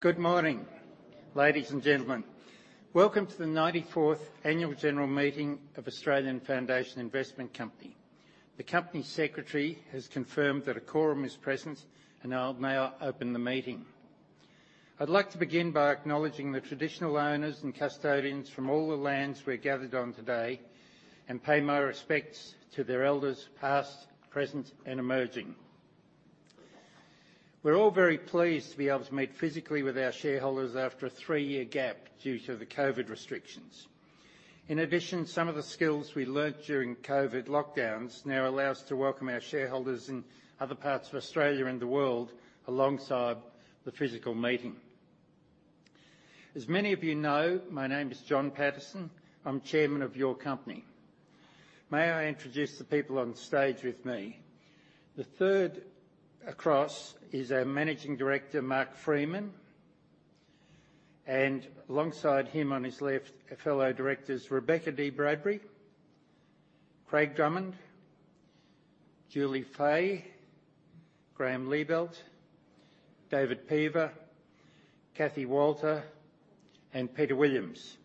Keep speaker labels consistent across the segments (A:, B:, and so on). A: Good morning, ladies and gentlemen. Welcome to the 94th Annual General Meeting of Australian Foundation Investment Company. The company secretary has confirmed that a quorum is present, and I'll now open the meeting. I'd like to begin by acknowledging the traditional owners and custodians from all the lands we're gathered on today and pay my respects to their elders, past, present, and emerging. We're all very pleased to be able to meet physically with our shareholders after a three-year gap due to the COVID restrictions. In addition, some of the skills we learned during COVID lockdowns now allow us to welcome our shareholders in other parts of Australia and the world alongside the physical meeting. As many of you know, my name is John Paterson. I'm chairman of your company. May I introduce the people on stage with me. The third across is our Managing Director, Mark Freeman, and alongside him on his left are fellow directors Rebecca Dee-Bradbury, Craig Drummond, Julie Fahey, Graeme Liebelt, David Peever, Cathy Walter, and Peter Williams.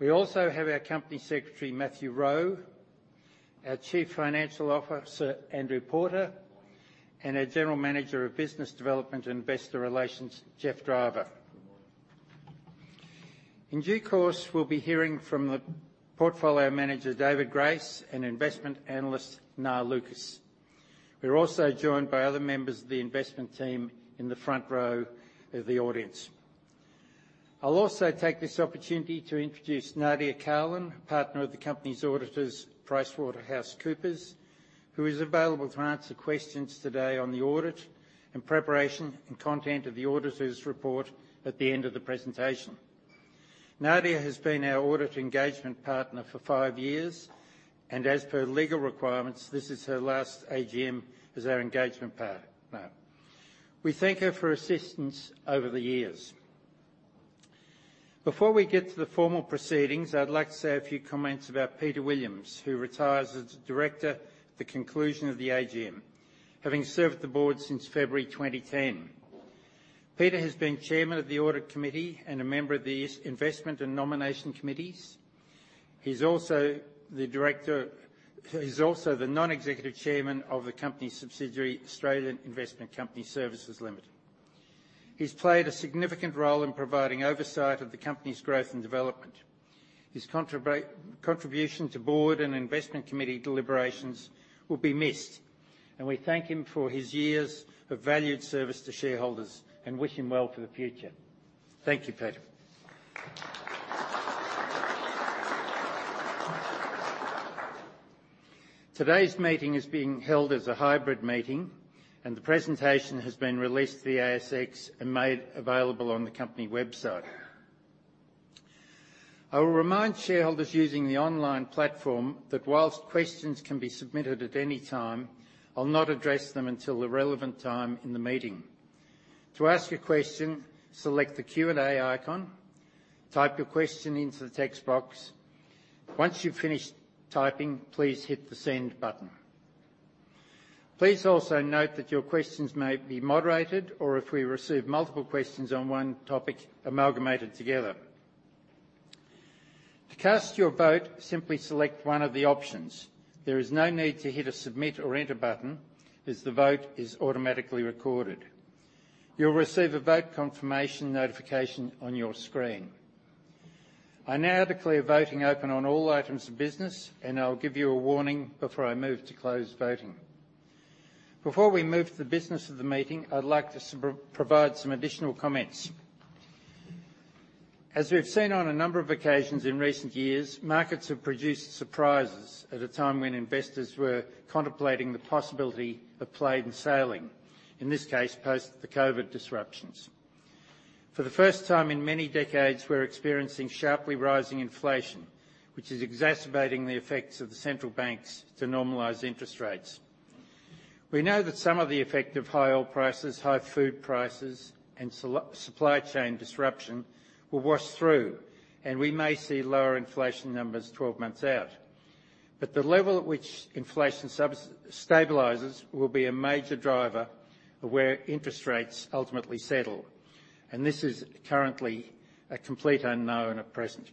A: We also have our Company Secretary, Matthew Rowe, our Chief Financial Officer, Andrew Porter, and our General Manager of business development and investor relations, Geoff Driver.
B: Good morning.
A: In due course, we'll be hearing from the portfolio manager, David Grace, and investment analyst, Nga Lucas. We're also joined by other members of the investment team in the front row of the audience. I'll also take this opportunity to introduce Nadia Carlin, partner of the company's auditors, PricewaterhouseCoopers, who is available to answer questions today on the audit and preparation and content of the auditor's report at the end of the presentation. Nadia has been our audit engagement partner for five years, and as per legal requirements, this is her last AGM as our engagement partner. We thank her for assistance over the years. Before we get to the formal proceedings, I'd like to say a few comments about Peter Williams, who retires as a director at the conclusion of the AGM, having served the board since February 2010. Peter has been Chairman of the audit committee and a member of these investment and nomination committees. He's also the non-executive Chairman of the company's subsidiary, Australian Investment Company Services Limited. He's played a significant role in providing oversight of the company's growth and development. His contribution to board and investment committee deliberations will be missed, and we thank him for his years of valued service to shareholders and wish him well for the future. Thank you, Peter. Today's meeting is being held as a hybrid meeting, and the presentation has been released to the ASX and made available on the company website. I will remind shareholders using the online platform that while questions can be submitted at any time, I'll not address them until the relevant time in the meeting. To ask a question, select the Q&A icon, type your question into the text box. Once you've finished typing, please hit the send button. Please also note that your questions may be moderated, or if we receive multiple questions on one topic, amalgamated together. To cast your vote, simply select one of the options. There is no need to hit a submit or enter button, as the vote is automatically recorded. You'll receive a vote confirmation notification on your screen. I now declare voting open on all items of business, and I'll give you a warning before I move to close voting. Before we move to the business of the meeting, I'd like to just provide some additional comments. As we've seen on a number of occasions in recent years, markets have produced surprises at a time when investors were contemplating the possibility of plain sailing, in this case, post the COVID disruptions. For the first time in many decades, we're experiencing sharply rising inflation, which is exacerbating the effects of the central banks to normalize interest rates. We know that some of the effect of high oil prices, high food prices, and supply chain disruption will wash through, and we may see lower inflation numbers 12 months out, but the level at which inflation stabilizes will be a major driver of where interest rates ultimately settle. This is currently a complete unknown at present.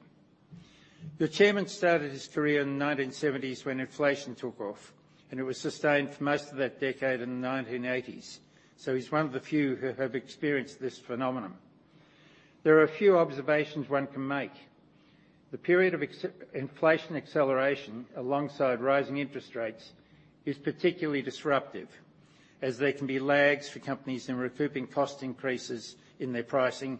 A: Your chairman started his career in the 1970s when inflation took off, and it was sustained for most of that decade in the 1980s. He's one of the few who have experienced this phenomenon. There are a few observations one can make. The period of inflation acceleration alongside rising interest rates is particularly disruptive, as there can be lags for companies in recouping cost increases in their pricing,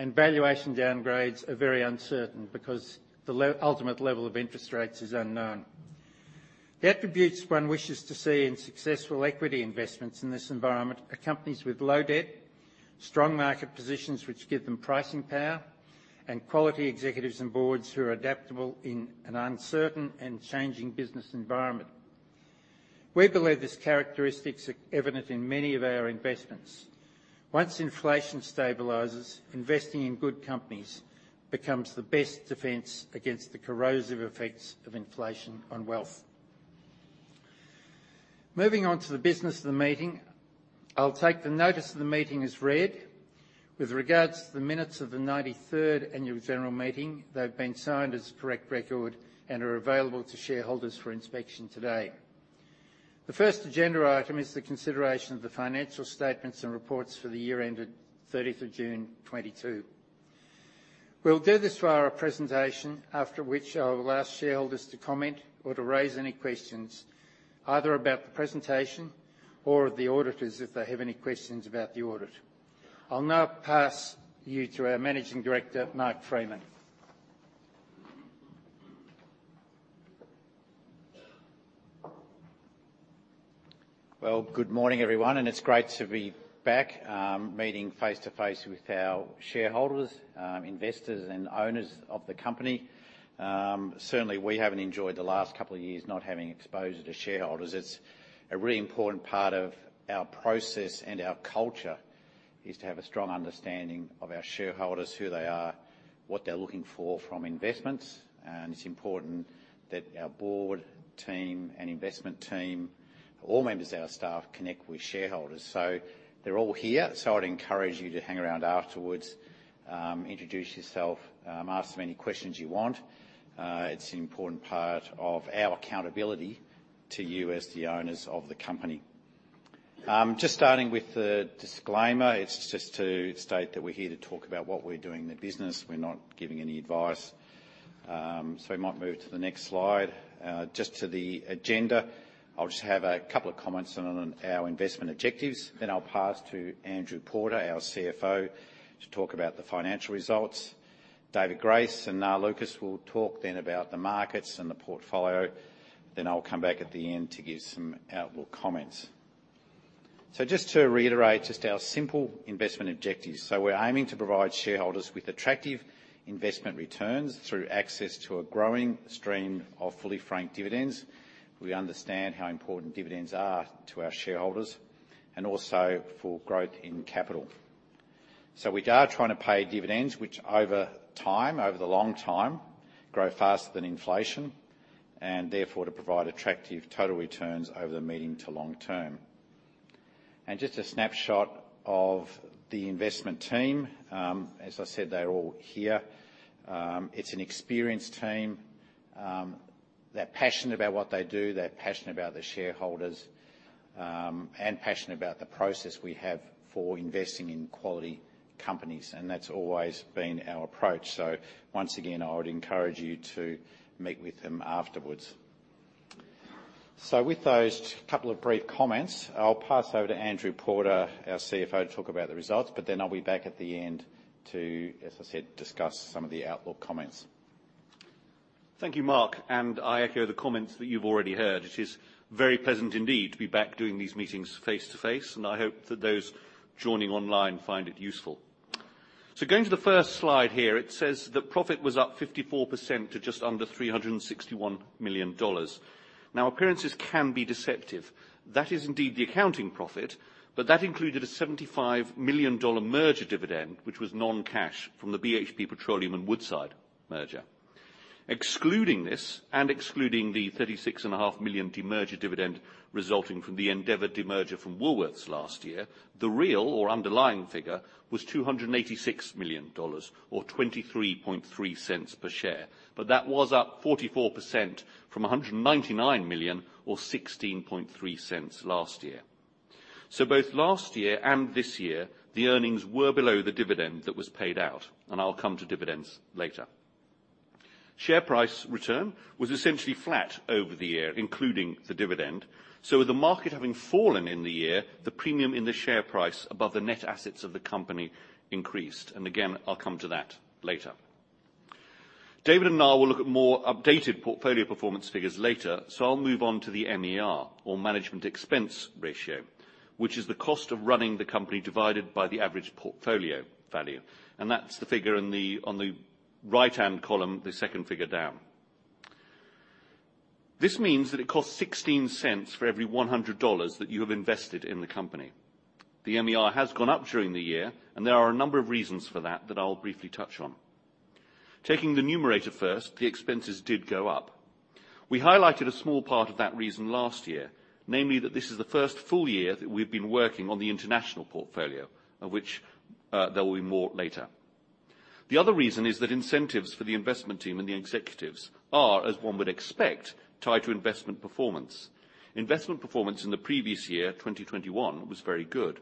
A: and valuation downgrades are very uncertain because the ultimate level of interest rates is unknown. The attributes one wishes to see in successful equity investments in this environment are companies with low debt, strong market positions which give them pricing power, and quality executives and boards who are adaptable in an uncertain and changing business environment. We believe these characteristics are evident in many of our investments. Once inflation stabilizes, investing in good companies becomes the best defense against the corrosive effects of inflation on wealth. Moving on to the business of the meeting, I'll take the notice of the meeting as read. With regard to the minutes of the 93rd annual general meeting, they've been signed as a correct record and are available to shareholders for inspection today. The first agenda item is the consideration of the financial statements and reports for the year ended 30th of June, 2022. We'll do this via a presentation after which I will ask shareholders to comment or to raise any questions, either about the presentation or of the auditors if they have any questions about the audit. I'll now pass you to our Managing Director, Mark Freeman.
C: Well, good morning, everyone, and it's great to be back, meeting face-to-face with our shareholders, investors and owners of the company. Certainly we haven't enjoyed the last couple of years not having exposure to shareholders. It's a really important part of our process and our culture is to have a strong understanding of our shareholders, who they are, what they're looking for from investments. It's important that our board, team, and investment team, all members of our staff, connect with shareholders. They're all here, so I'd encourage you to hang around afterwards, introduce yourself, ask them any questions you want. It's an important part of our accountability to you as the owners of the company. Just starting with the disclaimer. It's just to state that we're here to talk about what we're doing in the business. We're not giving any advice. We might move to the next slide. Just to the agenda. I'll just have a couple of comments on our investment objectives, then I'll pass to Andrew Porter, our CFO, to talk about the financial results. David Grace and Nga Lucas will talk then about the markets and the portfolio. I'll come back at the end to give some outlook comments. Just to reiterate our simple investment objectives. We're aiming to provide shareholders with attractive investment returns through access to a growing stream of fully franked dividends. We understand how important dividends are to our shareholders and also for growth in capital. We are trying to pay dividends which over time, over the long time, grow faster than inflation, and therefore to provide attractive total returns over the medium to long term. Just a snapshot of the investment team. As I said, they're all here. It's an experienced team. They're passionate about what they do, they're passionate about the shareholders, and passionate about the process we have for investing in quality companies, and that's always been our approach. Once again, I would encourage you to meet with them afterwards. With those couple of brief comments, I'll pass over to Andrew Porter, our CFO, to talk about the results, but then I'll be back at the end to, as I said, discuss some of the outlook comments.
D: Thank you, Mark, and I echo the comments that you've already heard. It is very pleasant indeed to be back doing these meetings face-to-face, and I hope that those joining online find it useful. Going to the first slide here, it says that profit was up 54% to just under AUD 361 million. Now appearances can be deceptive. That is indeed the accounting profit, but that included a 75 million dollar merger dividend, which was non-cash from the BHP Petroleum and Woodside merger. Excluding this and excluding the 36.5 million demerger dividend resulting from the Endeavour demerger from Woolworths last year, the real or underlying figure was 286 million dollars or 0.233 per share. That was up 44% from 199 million or 0.163 last year. Both last year and this year, the earnings were below the dividend that was paid out, and I'll come to dividends later. Share price return was essentially flat over the year, including the dividend. With the market having fallen in the year, the premium in the share price above the net assets of the company increased. Again, I'll come to that later. David and Nga will look at more updated portfolio performance figures later, so I'll move on to the MER or management expense ratio, which is the cost of running the company divided by the average portfolio value. That's the figure in the on the right-hand column, the second figure down. This means that it costs 0.16 for every 100 dollars that you have invested in the company. The MER has gone up during the year, and there are a number of reasons for that I'll briefly touch on. Taking the numerator first, the expenses did go up. We highlighted a small part of that reason last year, namely that this is the first full year that we've been working on the international portfolio, of which, there will be more later. The other reason is that incentives for the investment team and the executives are, as one would expect, tied to investment performance. Investment performance in the previous year, 2021, was very good.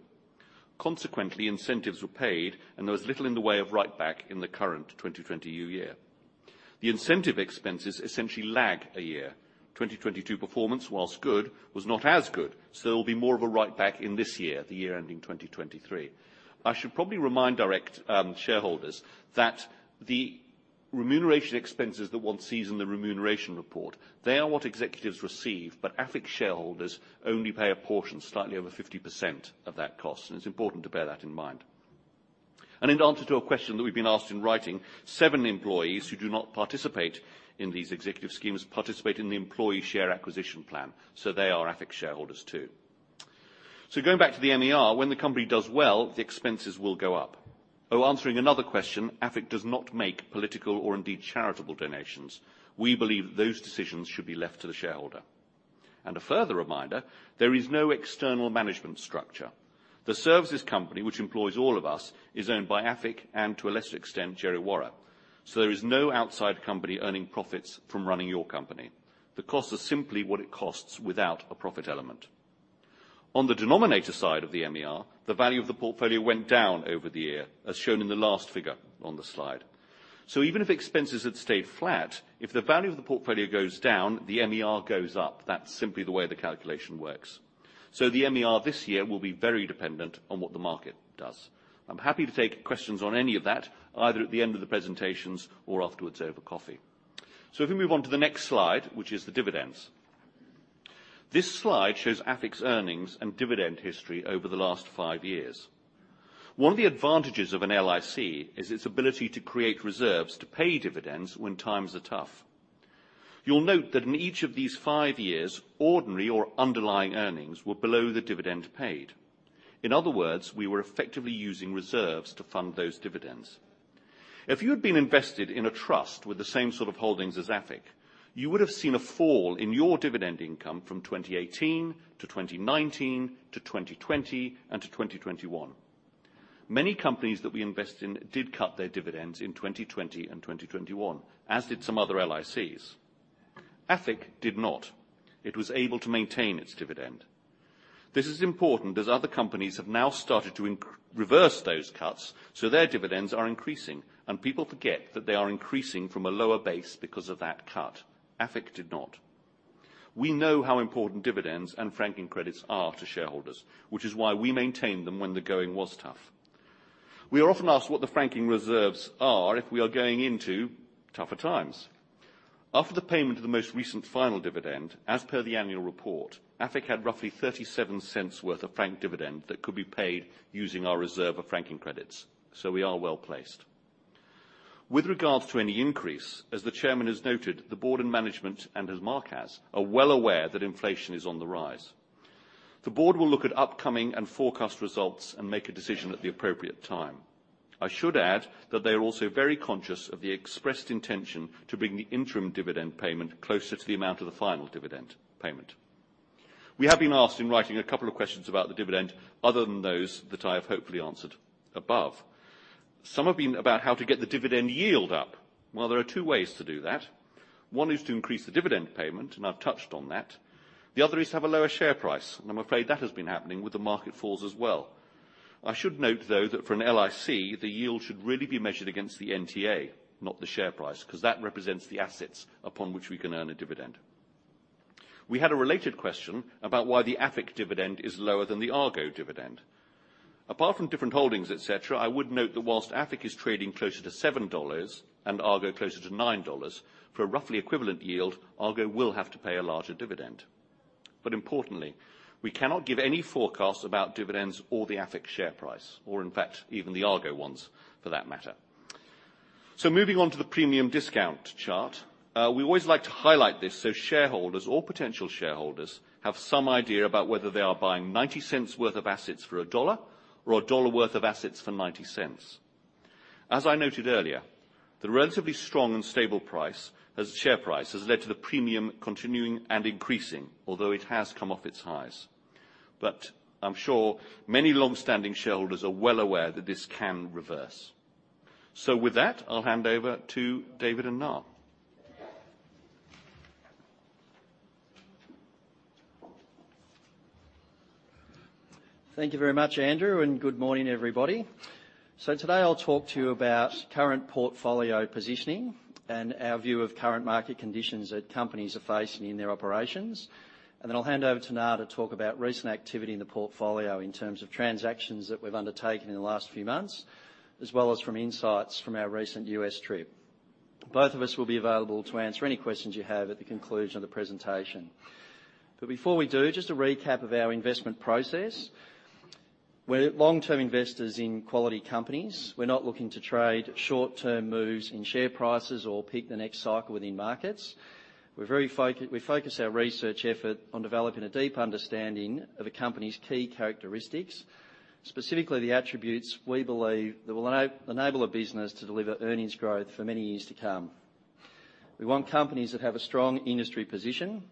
D: Consequently, incentives were paid and there was little in the way of write-back in the current 2022 year. The incentive expenses essentially lag a year. 2022 performance, while good, was not as good, so there will be more of a write-back in this year, the year ending 2023. I should probably remind direct shareholders that the remuneration expenses that one sees in the remuneration report, they are what executives receive, but AFIC shareholders only pay a portion, slightly over 50% of that cost, and it's important to bear that in mind. In answer to a question that we've been asked in writing, seven employees who do not participate in these executive schemes participate in the employee share acquisition plan, so they are AFIC shareholders too. Going back to the MER, when the company does well, the expenses will go up. Oh, answering another question, AFIC does not make political or indeed charitable donations. We believe those decisions should be left to the shareholder. A further reminder, there is no external management structure. The services company, which employs all of us, is owned by AFIC and to a lesser extent, Djerriwarrh. There is no outside company earning profits from running your company. The cost is simply what it costs without a profit element. On the denominator side of the MER, the value of the portfolio went down over the year, as shown in the last figure on the slide. Even if expenses had stayed flat, if the value of the portfolio goes down, the MER goes up. That's simply the way the calculation works. The MER this year will be very dependent on what the market does. I'm happy to take questions on any of that, either at the end of the presentations or afterwards over coffee. If we move on to the next slide, which is the dividends. This slide shows AFIC's earnings and dividend history over the last five years. One of the advantages of an LIC is its ability to create reserves to pay dividends when times are tough. You'll note that in each of these five years, ordinary or underlying earnings were below the dividend paid. In other words, we were effectively using reserves to fund those dividends. If you had been invested in a trust with the same sort of holdings as AFIC, you would have seen a fall in your dividend income from 2018 to 2019 to 2020 and to 2021. Many companies that we invest in did cut their dividends in 2020 and 2021, as did some other LICs. AFIC did not. It was able to maintain its dividend. This is important as other companies have now started to reverse those cuts, so their dividends are increasing, and people forget that they are increasing from a lower base because of that cut. AFIC did not. We know how important dividends and franking credits are to shareholders, which is why we maintained them when the going was tough. We are often asked what the franking reserves are if we are going into tougher times. After the payment of the most recent final dividend, as per the annual report, AFIC had roughly 0.37 worth of franked dividend that could be paid using our reserve of franking credits. We are well-placed. With regard to any increase, as the chairman has noted, the board and management, and as Mark has, are well aware that inflation is on the rise. The board will look at upcoming and forecast results and make a decision at the appropriate time. I should add that they are also very conscious of the expressed intention to bring the interim dividend payment closer to the amount of the final dividend payment. We have been asked in writing a couple of questions about the dividend other than those that I have hopefully answered above. Some have been about how to get the dividend yield up. Well, there are two ways to do that. One is to increase the dividend payment, and I've touched on that. The other is to have a lower share price, and I'm afraid that has been happening with the market falls as well. I should note, though, that for an LIC, the yield should really be measured against the NTA, not the share price, because that represents the assets upon which we can earn a dividend. We had a related question about why the AFIC dividend is lower than the Argo dividend. Apart from different holdings, et cetera, I would note that whilst AFIC is trading closer to 7 dollars and Argo closer to 9 dollars, for a roughly equivalent yield, Argo will have to pay a larger dividend. But importantly, we cannot give any forecast about dividends or the AFIC share price, or in fact, even the Argo ones for that matter. Moving on to the premium discount chart. We always like to highlight this so shareholders or potential shareholders have some idea about whether they are buying 90 cents worth of assets for a dollar or a dollar worth of assets for 90 cents. As I noted earlier, the relatively strong and stable price, as share price, has led to the premium continuing and increasing, although it has come off its highs. I'm sure many longstanding shareholders are well aware that this can reverse. With that, I'll hand over to David and Nga.
E: Thank you very much, Andrew, and good morning, everybody. Today, I'll talk to you about current portfolio positioning and our view of current market conditions that companies are facing in their operations. Then I'll hand over to Nga to talk about recent activity in the portfolio in terms of transactions that we've undertaken in the last few months, as well as from insights from our recent U.S. trip. Both of us will be available to answer any questions you have at the conclusion of the presentation. Before we do, just a recap of our investment process. We're long-term investors in quality companies. We're not looking to trade short-term moves in share prices or pick the next cycle within markets. We focus our research effort on developing a deep understanding of a company's key characteristics, specifically the attributes we believe that will enable a business to deliver earnings growth for many years to come. We want companies that have a strong industry position,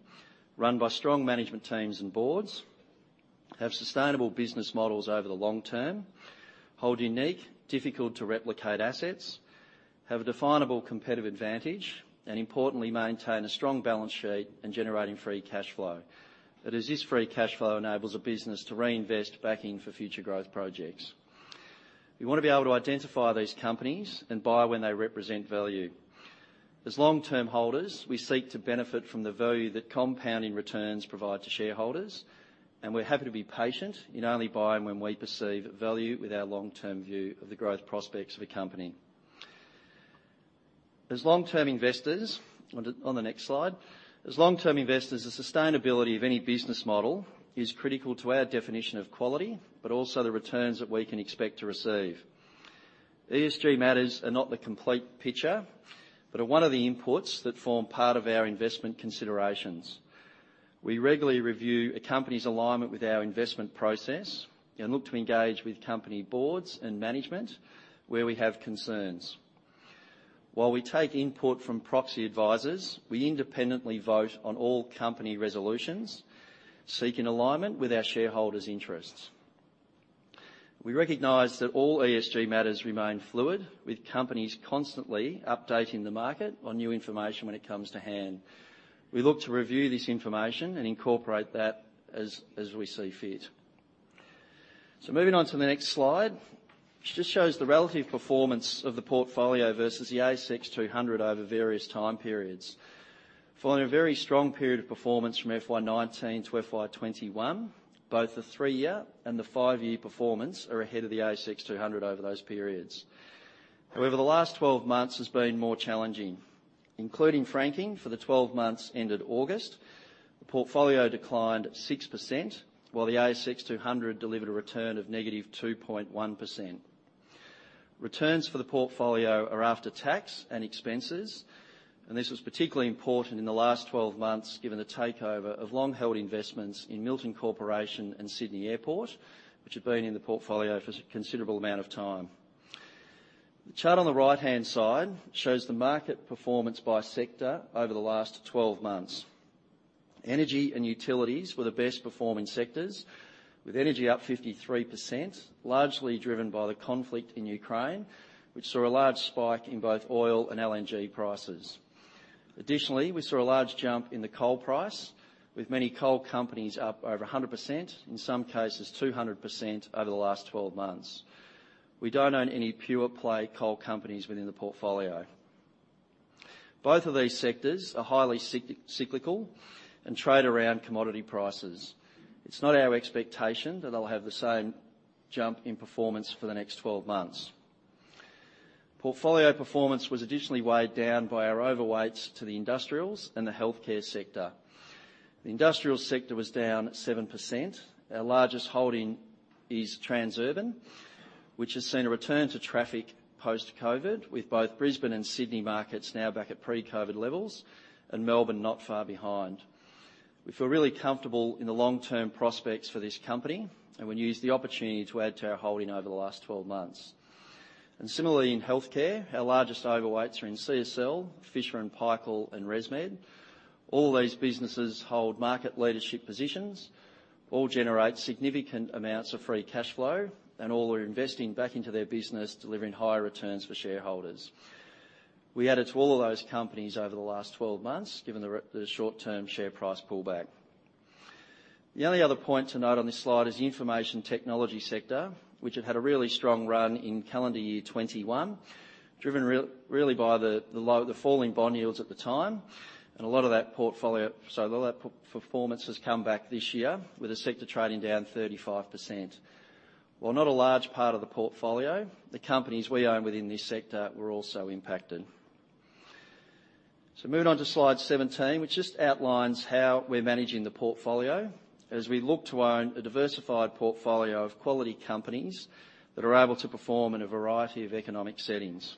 E: run by strong management teams and boards, have sustainable business models over the long term, hold unique, difficult to replicate assets, have a definable competitive advantage, and importantly, maintain a strong balance sheet in generating free cash flow. It is this free cash flow enables a business to reinvest back in for future growth projects. We want to be able to identify these companies and buy when they represent value. As long-term holders, we seek to benefit from the value that compounding returns provide to shareholders, and we're happy to be patient in only buying when we perceive value with our long-term view of the growth prospects of a company. As long-term investors, the sustainability of any business model is critical to our definition of quality, but also the returns that we can expect to receive. ESG matters are not the complete picture, but are one of the inputs that form part of our investment considerations. We regularly review a company's alignment with our investment process and look to engage with company boards and management where we have concerns. While we take input from proxy advisors, we independently vote on all company resolutions, seeking alignment with our shareholders' interests. We recognize that all ESG matters remain fluid, with companies constantly updating the market on new information when it comes to hand. We look to review this information and incorporate that as we see fit. Moving on to the next slide, which just shows the relative performance of the portfolio versus the ASX 200 over various time periods. Following a very strong period of performance from FY 2019 to FY 2021, both the three-year and the five-year performance are ahead of the ASX 200 over those periods. However, the last 12 months has been more challenging. Including franking for the 12 months ended August, the portfolio declined 6%, while the ASX 200 delivered a return of -2.1%. Returns for the portfolio are after tax and expenses, and this was particularly important in the last twelve months, given the takeover of long-held investments in Milton Corporation and Sydney Airport, which had been in the portfolio for a considerable amount of time. The chart on the right-hand side shows the market performance by sector over the last twelve months. Energy and utilities were the best performing sectors, with energy up 53%, largely driven by the conflict in Ukraine, which saw a large spike in both oil and LNG prices. Additionally, we saw a large jump in the coal price, with many coal companies up over 100%, in some cases 200% over the last twelve months. We don't own any pure play coal companies within the portfolio. Both of these sectors are highly cyclical and trade around commodity prices. It's not our expectation that they'll have the same jump in performance for the next 12 months. Portfolio performance was additionally weighed down by our overweights to the industrials and the healthcare sector. The industrial sector was down 7%. Our largest holding is Transurban, which has seen a return to traffic post-COVID, with both Brisbane and Sydney markets now back at pre-COVID levels and Melbourne not far behind. We feel really comfortable in the long-term prospects for this company and we've used the opportunity to add to our holding over the last 12 months. Similarly in healthcare, our largest overweights are in CSL, Fisher & Paykel, and ResMed. All these businesses hold market leadership positions, all generate significant amounts of free cash flow, and all are investing back into their business, delivering higher returns for shareholders. We added to all of those companies over the last 12 months, given the short-term share price pullback. The only other point to note on this slide is the information technology sector, which had a really strong run in calendar year 2021, driven really by the falling bond yields at the time, and a lot of that performance has come back this year with the sector trading down 35%. While not a large part of the portfolio, the companies we own within this sector were also impacted. Moving on to slide 17, which just outlines how we're managing the portfolio as we look to own a diversified portfolio of quality companies that are able to perform in a variety of economic settings.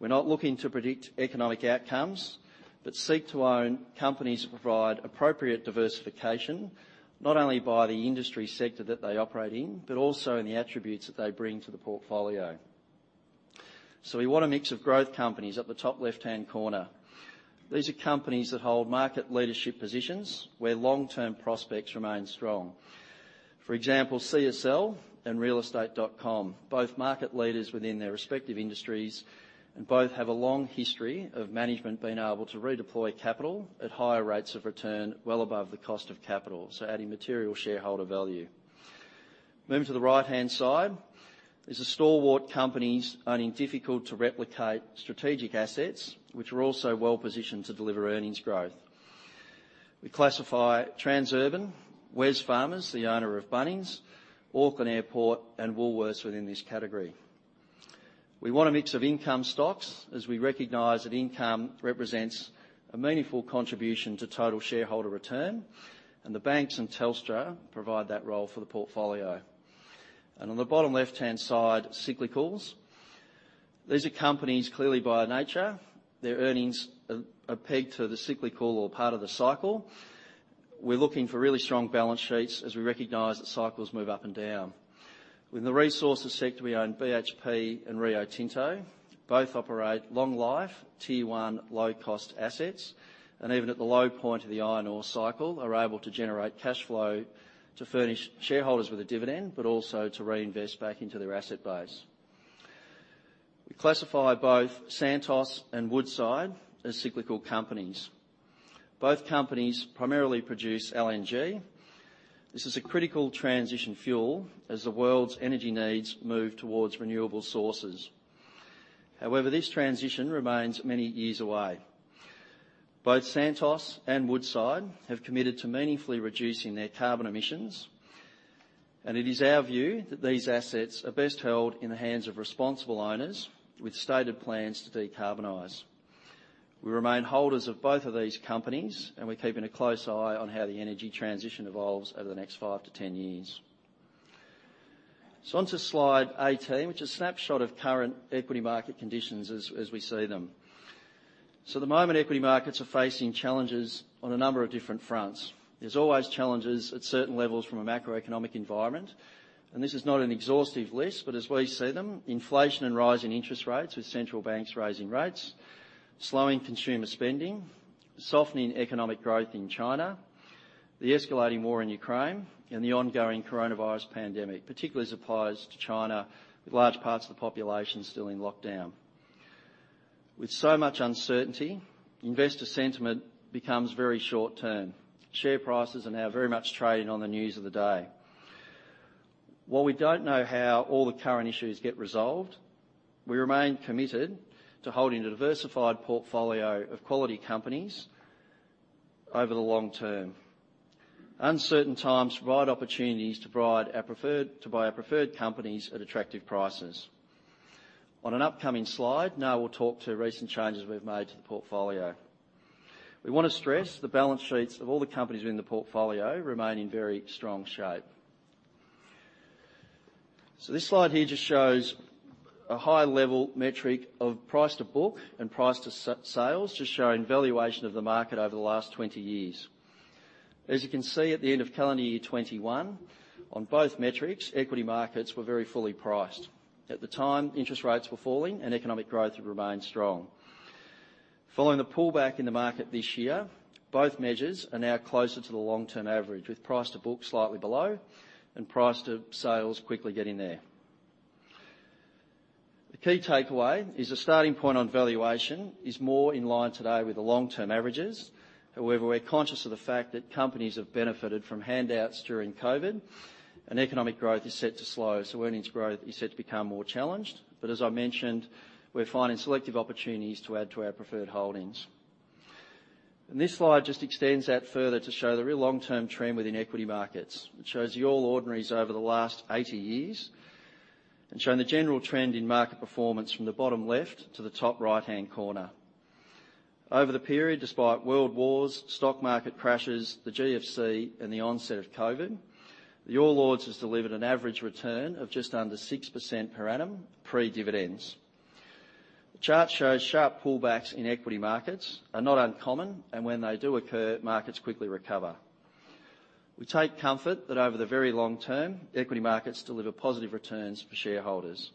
E: We're not looking to predict economic outcomes, but seek to own companies that provide appropriate diversification, not only by the industry sector that they operate in, but also in the attributes that they bring to the portfolio. We want a mix of growth companies at the top left-hand corner. These are companies that hold market leadership positions, where long-term prospects remain strong. For example, CSL and realestate.com.au, both market leaders within their respective industries, and both have a long history of management being able to redeploy capital at higher rates of return, well above the cost of capital, so adding material shareholder value. Moving to the right-hand side is the stalwart companies owning difficult-to-replicate strategic assets, which are also well-positioned to deliver earnings growth. We classify Transurban, Wesfarmers, the owner of Bunnings, Auckland Airport, and Woolworths within this category. We want a mix of income stocks, as we recognize that income represents a meaningful contribution to total shareholder return, and the banks and Telstra provide that role for the portfolio. On the bottom left-hand side, cyclicals. These are companies clearly by nature. Their earnings are pegged to the cyclical or part of the cycle. We're looking for really strong balance sheets as we recognize that cycles move up and down. In the resources sector, we own BHP and Rio Tinto. Both operate long life, tier one, low cost assets, and even at the low point of the iron ore cycle, are able to generate cashflow to furnish shareholders with a dividend, but also to reinvest back into their asset base. We classify both Santos and Woodside as cyclical companies. Both companies primarily produce LNG. This is a critical transition fuel as the world's energy needs move towards renewable sources. However, this transition remains many years away. Both Santos and Woodside have committed to meaningfully reducing their carbon emissions, and it is our view that these assets are best held in the hands of responsible owners with stated plans to decarbonize. We remain holders of both of these companies, and we're keeping a close eye on how the energy transition evolves over the next five-10 years. On to slide 18, which is a snapshot of current equity market conditions as we see them. At the moment, equity markets are facing challenges on a number of different fronts. There's always challenges at certain levels from a macroeconomic environment, and this is not an exhaustive list, but as we see them, inflation and rise in interest rates with central banks raising rates, slowing consumer spending, softening economic growth in China, the escalating war in Ukraine, and the ongoing coronavirus pandemic, particularly as applies to China, with large parts of the population still in lockdown. With so much uncertainty, investor sentiment becomes very short term. Share prices are now very much trading on the news of the day. While we don't know how all the current issues get resolved, we remain committed to holding a diversified portfolio of quality companies over the long term. Uncertain times provide opportunities to buy our preferred companies at attractive prices. On an upcoming slide, now we'll talk to recent changes we've made to the portfolio. We wanna stress the balance sheets of all the companies in the portfolio remain in very strong shape. This slide here just shows a high-level metric of price to book and price to sales, just showing valuation of the market over the last 20 years. As you can see at the end of calendar year 2021, on both metrics, equity markets were very fully priced. At the time, interest rates were falling and economic growth remained strong. Following the pullback in the market this year, both measures are now closer to the long-term average, with price to book slightly below and price to sales quickly getting there. The key takeaway is the starting point on valuation is more in line today with the long-term averages. However, we're conscious of the fact that companies have benefited from handouts during COVID and economic growth is set to slow, so earnings growth is set to become more challenged. As I mentioned, we're finding selective opportunities to add to our preferred holdings. This slide just extends that further to show the real long-term trend within equity markets. It shows the All Ordinaries over the last 80 years and showing the general trend in market performance from the bottom left to the top right-hand corner. Over the period, despite world wars, stock market crashes, the GFC, and the onset of COVID, the All Ords has delivered an average return of just under 6% per annum, pre-dividends. The chart shows sharp pullbacks in equity markets are not uncommon, and when they do occur, markets quickly recover. We take comfort that over the very long term, equity markets deliver positive returns for shareholders.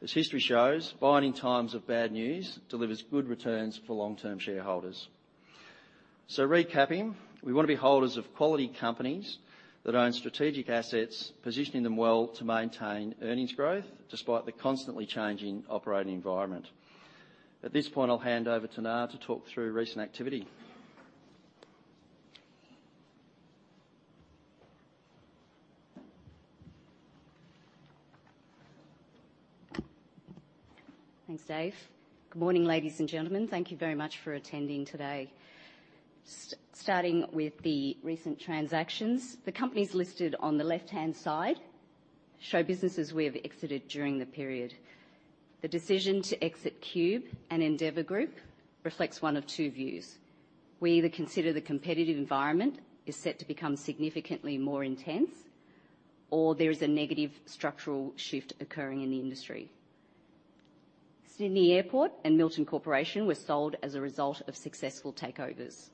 E: As history shows, buying in times of bad news delivers good returns for long-term shareholders. Recapping, we wanna be holders of quality companies that own strategic assets, positioning them well to maintain earnings growth despite the constantly changing operating environment. At this point, I'll hand over to Nga to talk through recent activity.
F: Thanks, Dave. Good morning, ladies and gentlemen. Thank you very much for attending today. Starting with the recent transactions, the companies listed on the left-hand side show businesses we have exited during the period. The decision to exit Qube and Endeavour Group reflects one of two views. We either consider the competitive environment is set to become significantly more intense or there is a negative structural shift occurring in the industry. Sydney Airport and Milton Corporation were sold as a result of successful takeovers.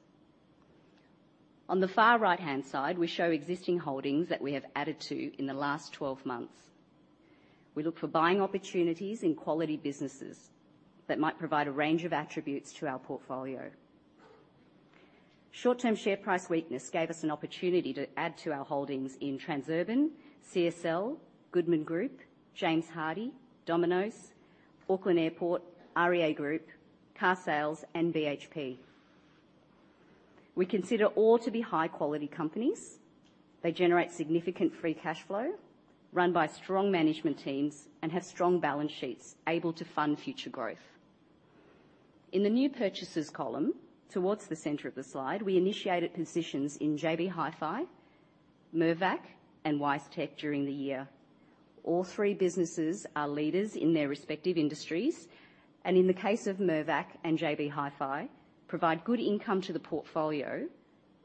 F: On the far right-hand side, we show existing holdings that we have added to in the last 12 months. We look for buying opportunities in quality businesses that might provide a range of attributes to our portfolio. Short-term share price weakness gave us an opportunity to add to our holdings in Transurban, CSL, Goodman Group, James Hardie, Domino's, Auckland Airport, REA Group, Carsales, and BHP. We consider all to be high-quality companies. They generate significant free cash flow, run by strong management teams, and have strong balance sheets able to fund future growth. In the New Purchases column, towards the center of the slide, we initiated positions in JB Hi-Fi, Mirvac, and WiseTech during the year. All three businesses are leaders in their respective industries, and in the case of Mirvac and JB Hi-Fi, provide good income to the portfolio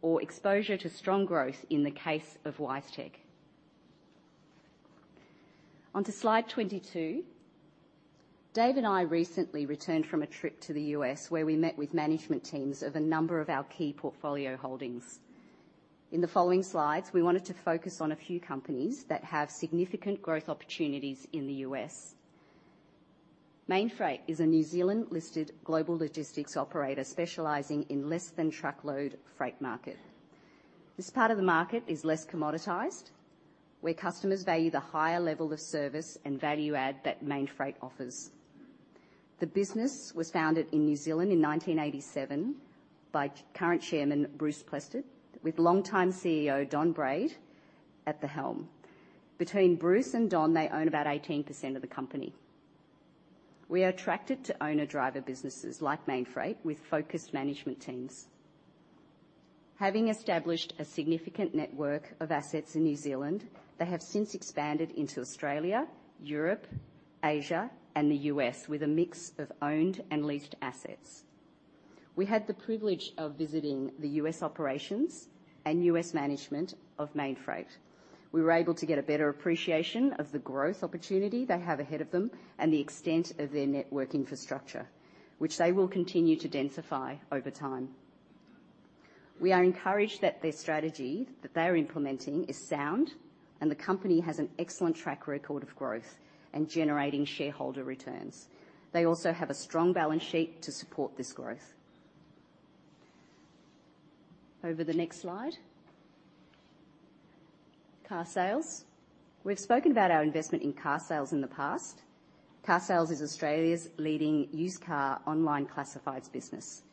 F: or exposure to strong growth in the case of WiseTech. On to slide 22. Dave and I recently returned from a trip to the U.S. where we met with management teams of a number of our key portfolio holdings. In the following slides, we wanted to focus on a few companies that have significant growth opportunities in the U.S. Mainfreight is a New Zealand-listed global logistics operator specializing in less than truckload freight market. This part of the market is less commoditized, where customers value the higher level of service and value add that Mainfreight offers. The business was founded in New Zealand in 1987 by current chairman Bruce Plested, with longtime CEO Don Braid at the helm. Between Bruce and Don, they own about 18% of the company. We are attracted to owner-driver businesses like Mainfreight with focused management teams. Having established a significant network of assets in New Zealand, they have since expanded into Australia, Europe, Asia, and the U.S. with a mix of owned and leased assets. We had the privilege of visiting the U.S. operations and U.S. management of Mainfreight. We were able to get a better appreciation of the growth opportunity they have ahead of them and the extent of their network infrastructure, which they will continue to densify over time. We are encouraged that their strategy that they are implementing is sound, and the company has an excellent track record of growth and generating shareholder returns. They also have a strong balance sheet to support this growth. Over the next slide. Carsales. We've spoken about our investment in Carsales in the past. Carsales is Australia's leading used car online classifieds business.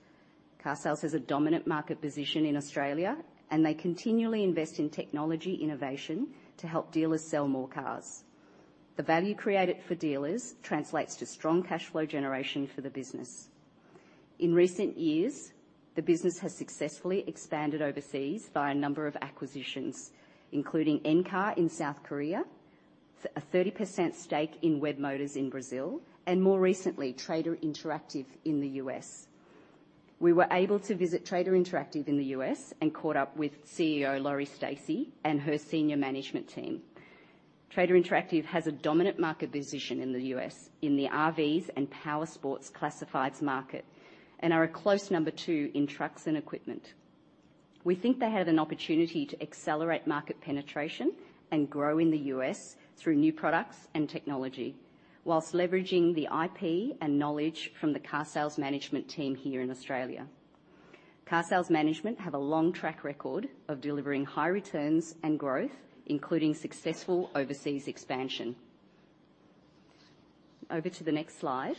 F: Carsales has a dominant market position in Australia, and they continually invest in technology innovation to help dealers sell more cars. The value created for dealers translates to strong cash flow generation for the business. In recent years, the business has successfully expanded overseas via a number of acquisitions, including Encar in South Korea, a 30% stake in Webmotors in Brazil, and more recently, Trader Interactive in the U.S. We were able to visit Trader Interactive in the U.S. and caught up with CEO Lori Stacy and her senior management team. Trader Interactive has a dominant market position in the U.S. in the RVs and powersports classifieds market, and are a close number two in trucks and equipment. We think they have an opportunity to accelerate market penetration and grow in the U.S. through new products and technology whilst leveraging the IP and knowledge from the Carsales management team here in Australia. Carsales management have a long track record of delivering high returns and growth, including successful overseas expansion. Over to the next slide.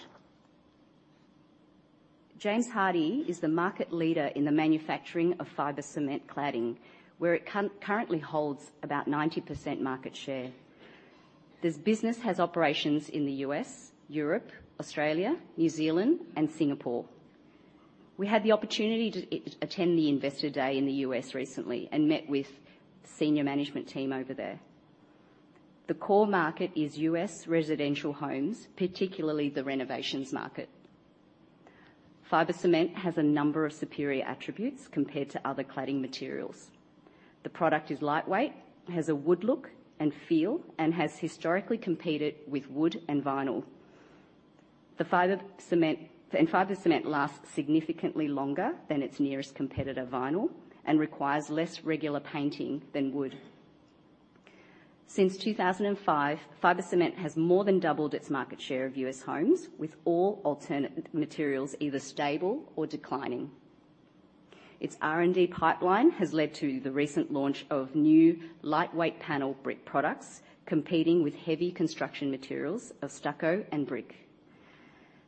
F: James Hardie is the market leader in the manufacturing of fiber cement cladding, where it currently holds about 90% market share. This business has operations in the U.S., Europe, Australia, New Zealand, and Singapore. We had the opportunity to attend the Investor Day in the U.S. recently and met with senior management team over there. The core market is U.S. residential homes, particularly the renovations market. Fiber cement has a number of superior attributes compared to other cladding materials. The product is lightweight, has a wood look and feel, and has historically competed with wood and vinyl. Fiber cement lasts significantly longer than its nearest competitor, vinyl, and requires less regular painting than wood. Since 2005, fiber cement has more than doubled its market share of U.S. homes, with all alternate materials either stable or declining. Its R&D pipeline has led to the recent launch of new lightweight panel brick products, competing with heavy construction materials of stucco and brick.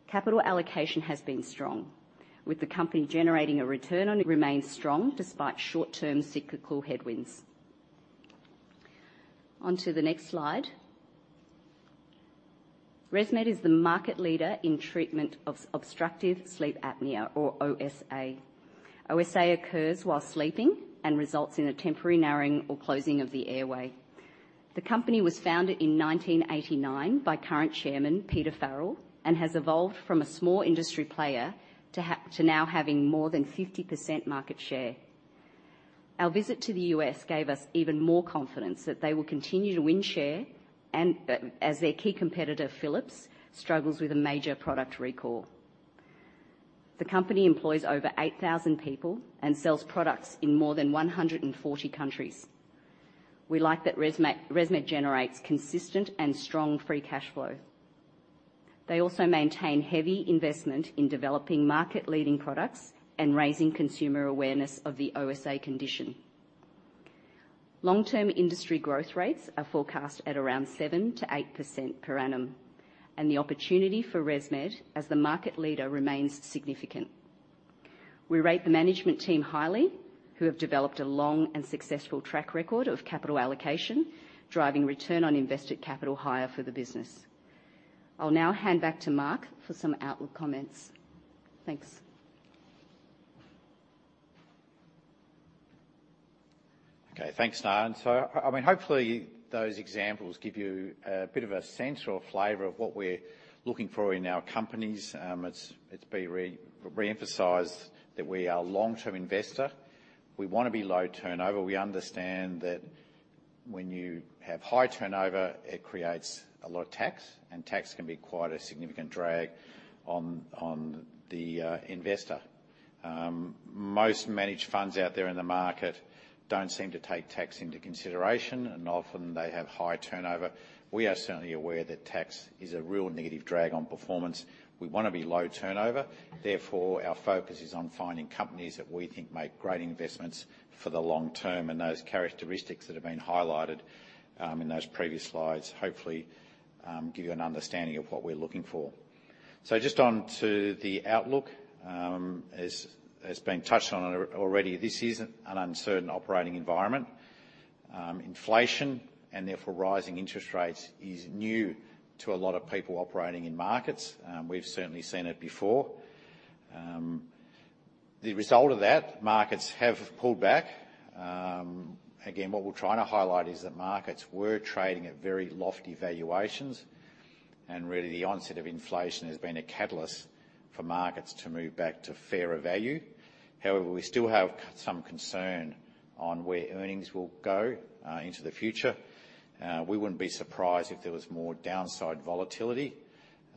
F: Capital allocation has been strong, with the company generating. Remains strong despite short-term cyclical headwinds. Onto the next slide. ResMed is the market leader in treatment of obstructive sleep apnea or OSA. OSA occurs while sleeping and results in a temporary narrowing or closing of the airway. The company was founded in 1989 by current chairman Peter Farrell and has evolved from a small industry player to now having more than 50% market share. Our visit to the U.S. gave us even more confidence that they will continue to win share and as their key competitor, Philips, struggles with a major product recall. The company employs over 8,000 people and sells products in more than 140 countries. We like that ResMed generates consistent and strong free cash flow. They also maintain heavy investment in developing market-leading products and raising consumer awareness of the OSA condition. Long-term industry growth rates are forecast at around 7%-8% per annum, and the opportunity for ResMed as the market leader remains significant. We rate the management team highly, who have developed a long and successful track record of capital allocation, driving return on invested capital higher for the business. I'll now hand back to Mark for some outlook comments. Thanks.
C: Okay, thanks, Nga. I mean, hopefully those examples give you a bit of a sense or flavor of what we're looking for in our companies. It's been re-emphasized that we are a long-term investor. We wanna be low turnover. We understand that when you have high turnover, it creates a lot of tax, and tax can be quite a significant drag on the investor. Most managed funds out there in the market don't seem to take tax into consideration, and often they have high turnover. We are certainly aware that tax is a real negative drag on performance. We wanna be low turnover. Therefore, our focus is on finding companies that we think make great investments for the long term, and those characteristics that have been highlighted in those previous slides hopefully give you an understanding of what we're looking for. Just on to the outlook. As has been touched on already, this is an uncertain operating environment. Inflation, and therefore rising interest rates, is new to a lot of people operating in markets. We've certainly seen it before. The result of that, markets have pulled back. Again, what we're trying to highlight is that markets were trading at very lofty valuations, and really the onset of inflation has been a catalyst for markets to move back to fairer value. However, we still have some concern on where earnings will go into the future. We wouldn't be surprised if there was more downside volatility,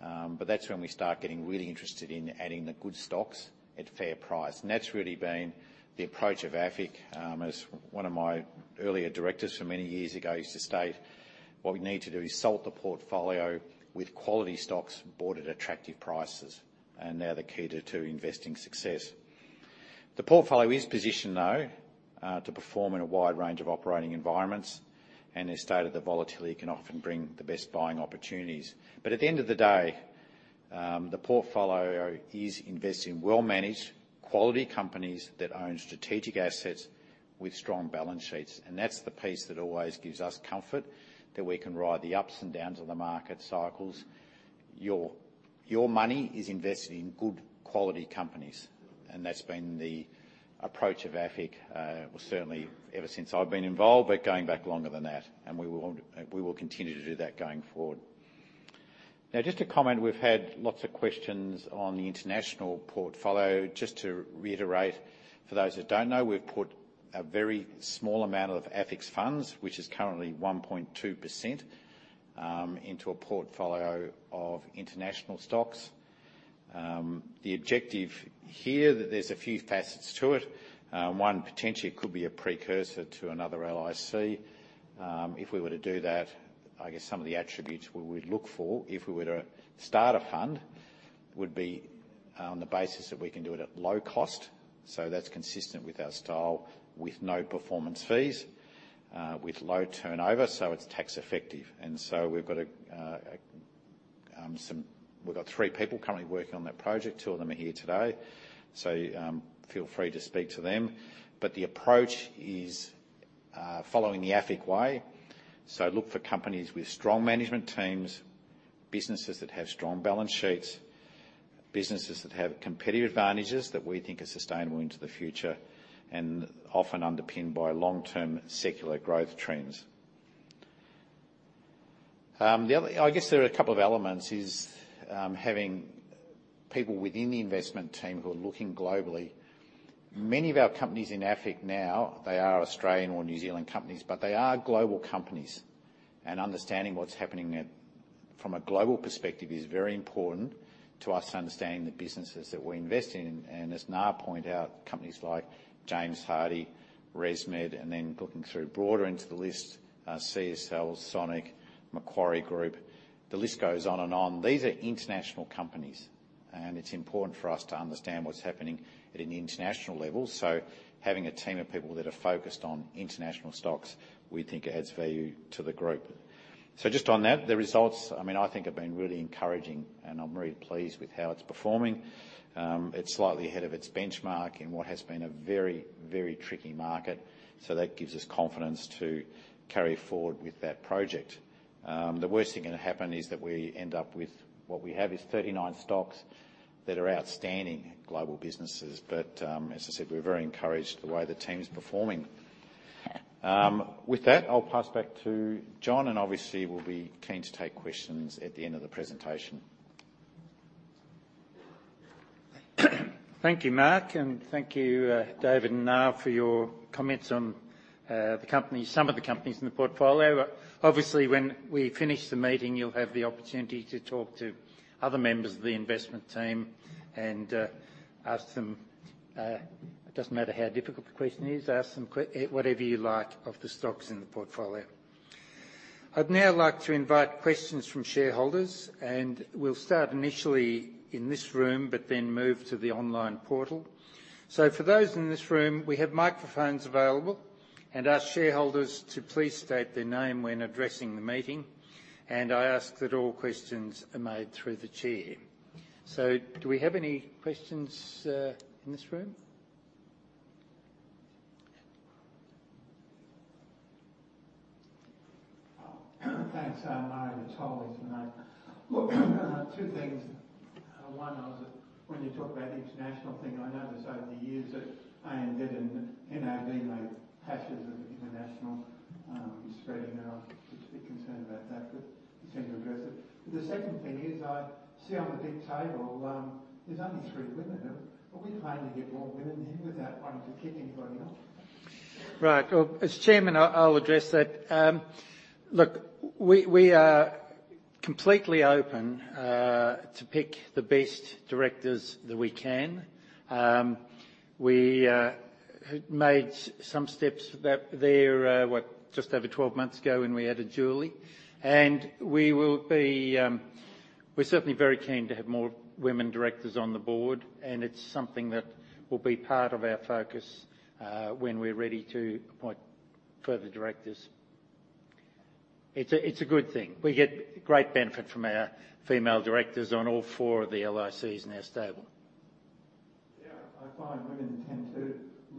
C: but that's when we start getting really interested in adding the good stocks at fair price. That's really been the approach of AFIC. As one of my earlier directors from many years ago used to state, "What we need to do is salt the portfolio with quality stocks bought at attractive prices." They're the key to investing success. The portfolio is positioned, though, to perform in a wide range of operating environments, and has stated that volatility can often bring the best buying opportunities. At the end of the day, the portfolio is investing in well-managed, quality companies that own strategic assets with strong balance sheets. That's the piece that always gives us comfort that we can ride the ups and downs of the market cycles. Your money is invested in good quality companies, and that's been the approach of AFIC, well certainly ever since I've been involved, but going back longer than that, and we will continue to do that going forward. Now, just to comment, we've had lots of questions on the international portfolio. Just to reiterate for those that don't know, we've put a very small amount of AFIC's funds, which is currently 1.2%, into a portfolio of international stocks. The objective here, that there's a few facets to it. One, potentially it could be a precursor to another LIC. If we were to do that, I guess some of the attributes we would look for, if we were to start a fund, would be on the basis that we can do it at low cost, so that's consistent with our style with no performance fees, with low turnover, so it's tax effective. We've got three people currently working on that project. Two of them are here today. Feel free to speak to them. The approach is following the AFIC way. Look for companies with strong management teams, businesses that have strong balance sheets, businesses that have competitive advantages that we think are sustainable into the future, and often underpinned by long-term secular growth trends. The other... I guess there are a couple of elements, having people within the investment team who are looking globally. Many of our companies in AFIC now, they are Australian or New Zealand companies, but they are global companies and understanding what's happening from a global perspective is very important to us to understanding the businesses that we invest in. As Nga pointed out, companies like James Hardie, ResMed, and then looking through broader into the list, CSL, Sonic, Macquarie Group, the list goes on and on. These are international companies. It's important for us to understand what's happening at an international level. Having a team of people that are focused on international stocks, we think adds value to the group. Just on that, the results, I mean, I think have been really encouraging, and I'm really pleased with how it's performing. It's slightly ahead of its benchmark in what has been a very, very tricky market. That gives us confidence to carry forward with that project. The worst thing that can happen is that we end up with what we have, is 39 stocks that are outstanding global businesses. As I said, we're very encouraged the way the team's performing. With that, I'll pass back to John, and obviously we'll be keen to take questions at the end of the presentation.
A: Thank you, Mark, and thank you, David and Nga for your comments on the companies, some of the companies in the portfolio. Obviously, when we finish the meeting, you'll have the opportunity to talk to other members of the investment team and ask them, it doesn't matter how difficult the question is, ask them whatever you like of the stocks in the portfolio. I'd now like to invite questions from shareholders, and we'll start initially in this room, but then move to the online portal. For those in this room, we have microphones available and ask shareholders to please state their name when addressing the meeting, and I ask that all questions are made through the chair. Do we have any questions in this room?
G: Thanks, Mario. It's Holly from IO. Look, two things. One was when you talk about the international thing, I notice over the years that ANZ did and NAB made hashes of international spreading, and I was particularly concerned about that, but you seem to reverse it. The second thing is I see on the big table, there's only three women. Are we planning to get more women in without wanting to kick anybody out?
A: Right. Well, as chairman, I'll address that. Look, we are completely open to pick the best directors that we can. We made some steps just over 12 months ago when we added Julie. We're certainly very keen to have more women directors on the board, and it's something that will be part of our focus when we're ready to appoint further directors. It's a good thing. We get great benefit from our female directors on all four of the LICs in our stable. I find women tend to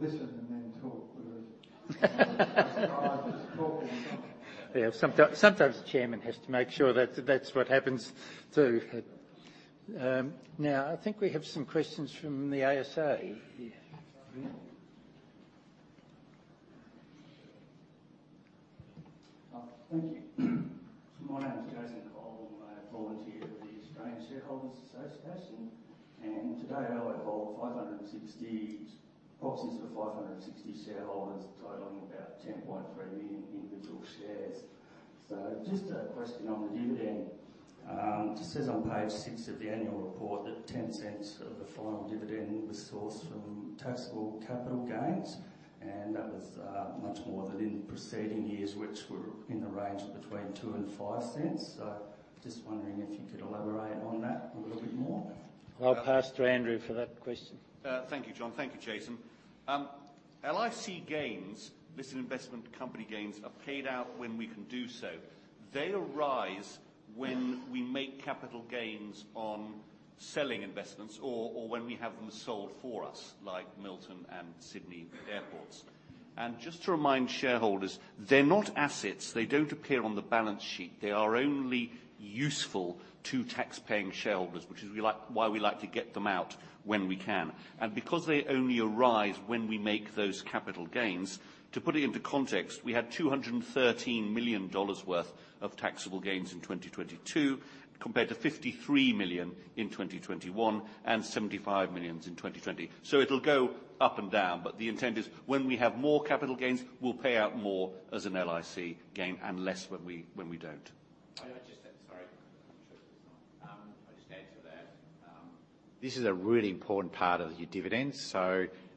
A: listen and then talk whereas us guys just talk and talk. Yeah, sometimes the chairman has to make sure that that's what happens too. Now I think we have some questions from the ASA. Yeah.
H: Thank you. My name is Jason Cole, and I'm a volunteer at the Australian Shareholders' Association. Today I hold 560 proxies for 560 shareholders, totaling about 10.3 million individual shares. Just a question on the dividend. It says on page six of the annual report that 0.10 of the final dividend was sourced from taxable capital gains, and that was much more than in preceding years, which were in the range of between 0.02 and 0.05. Just wondering if you could elaborate on that a little bit more.
A: I'll pass to Andrew for that question.
D: Thank you, John. Thank you, Jason. LIC gains, listed investment company gains, are paid out when we can do so. They arise when we make capital gains on selling investments or when we have them sold for us, like Milton Corporation and Sydney Airport. Just to remind shareholders, they're not assets. They don't appear on the balance sheet. They are only useful to tax-paying shareholders, which is why we like to get them out when we can. Because they only arise when we make those capital gains, to put it into context, we had 213 million dollars worth of taxable gains in 2022 compared to 53 million in 2021 and 75 million in 2020. It'll go up and down, but the intent is when we have more capital gains, we'll pay out more as an LIC gain and less when we don't.
C: Can I just add to that? This is a really important part of your dividends.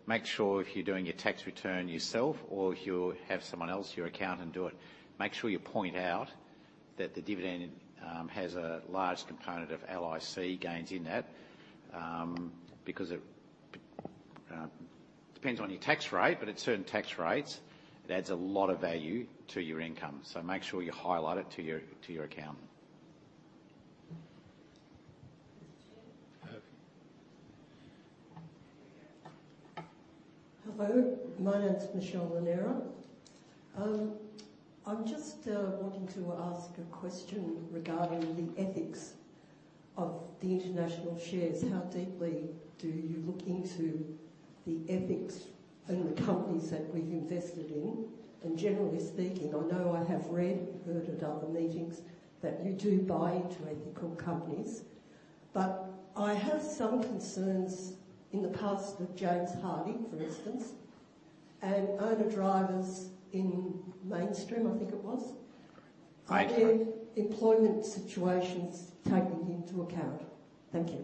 C: Make sure if you're doing your tax return yourself or if you have someone else, your accountant do it, make sure you point out that the dividend has a large component of LIC gains in that, because it depends on your tax rate, but at certain tax rates, it adds a lot of value to your income. Make sure you highlight it to your accountant.
I: Hello. My name's Michelle Lanera. I'm just wanting to ask a question regarding the ethics of the international shares. How deeply do you look into the ethics in the companies that we've invested in? Generally speaking, I know I have read, heard at other meetings that you do buy into ethical companies, but I have some concerns in the past with James Hardie, for instance, and owner-drivers in Mainfreight, I think it was.
C: I-
I: Are their employment situations taken into account? Thank you.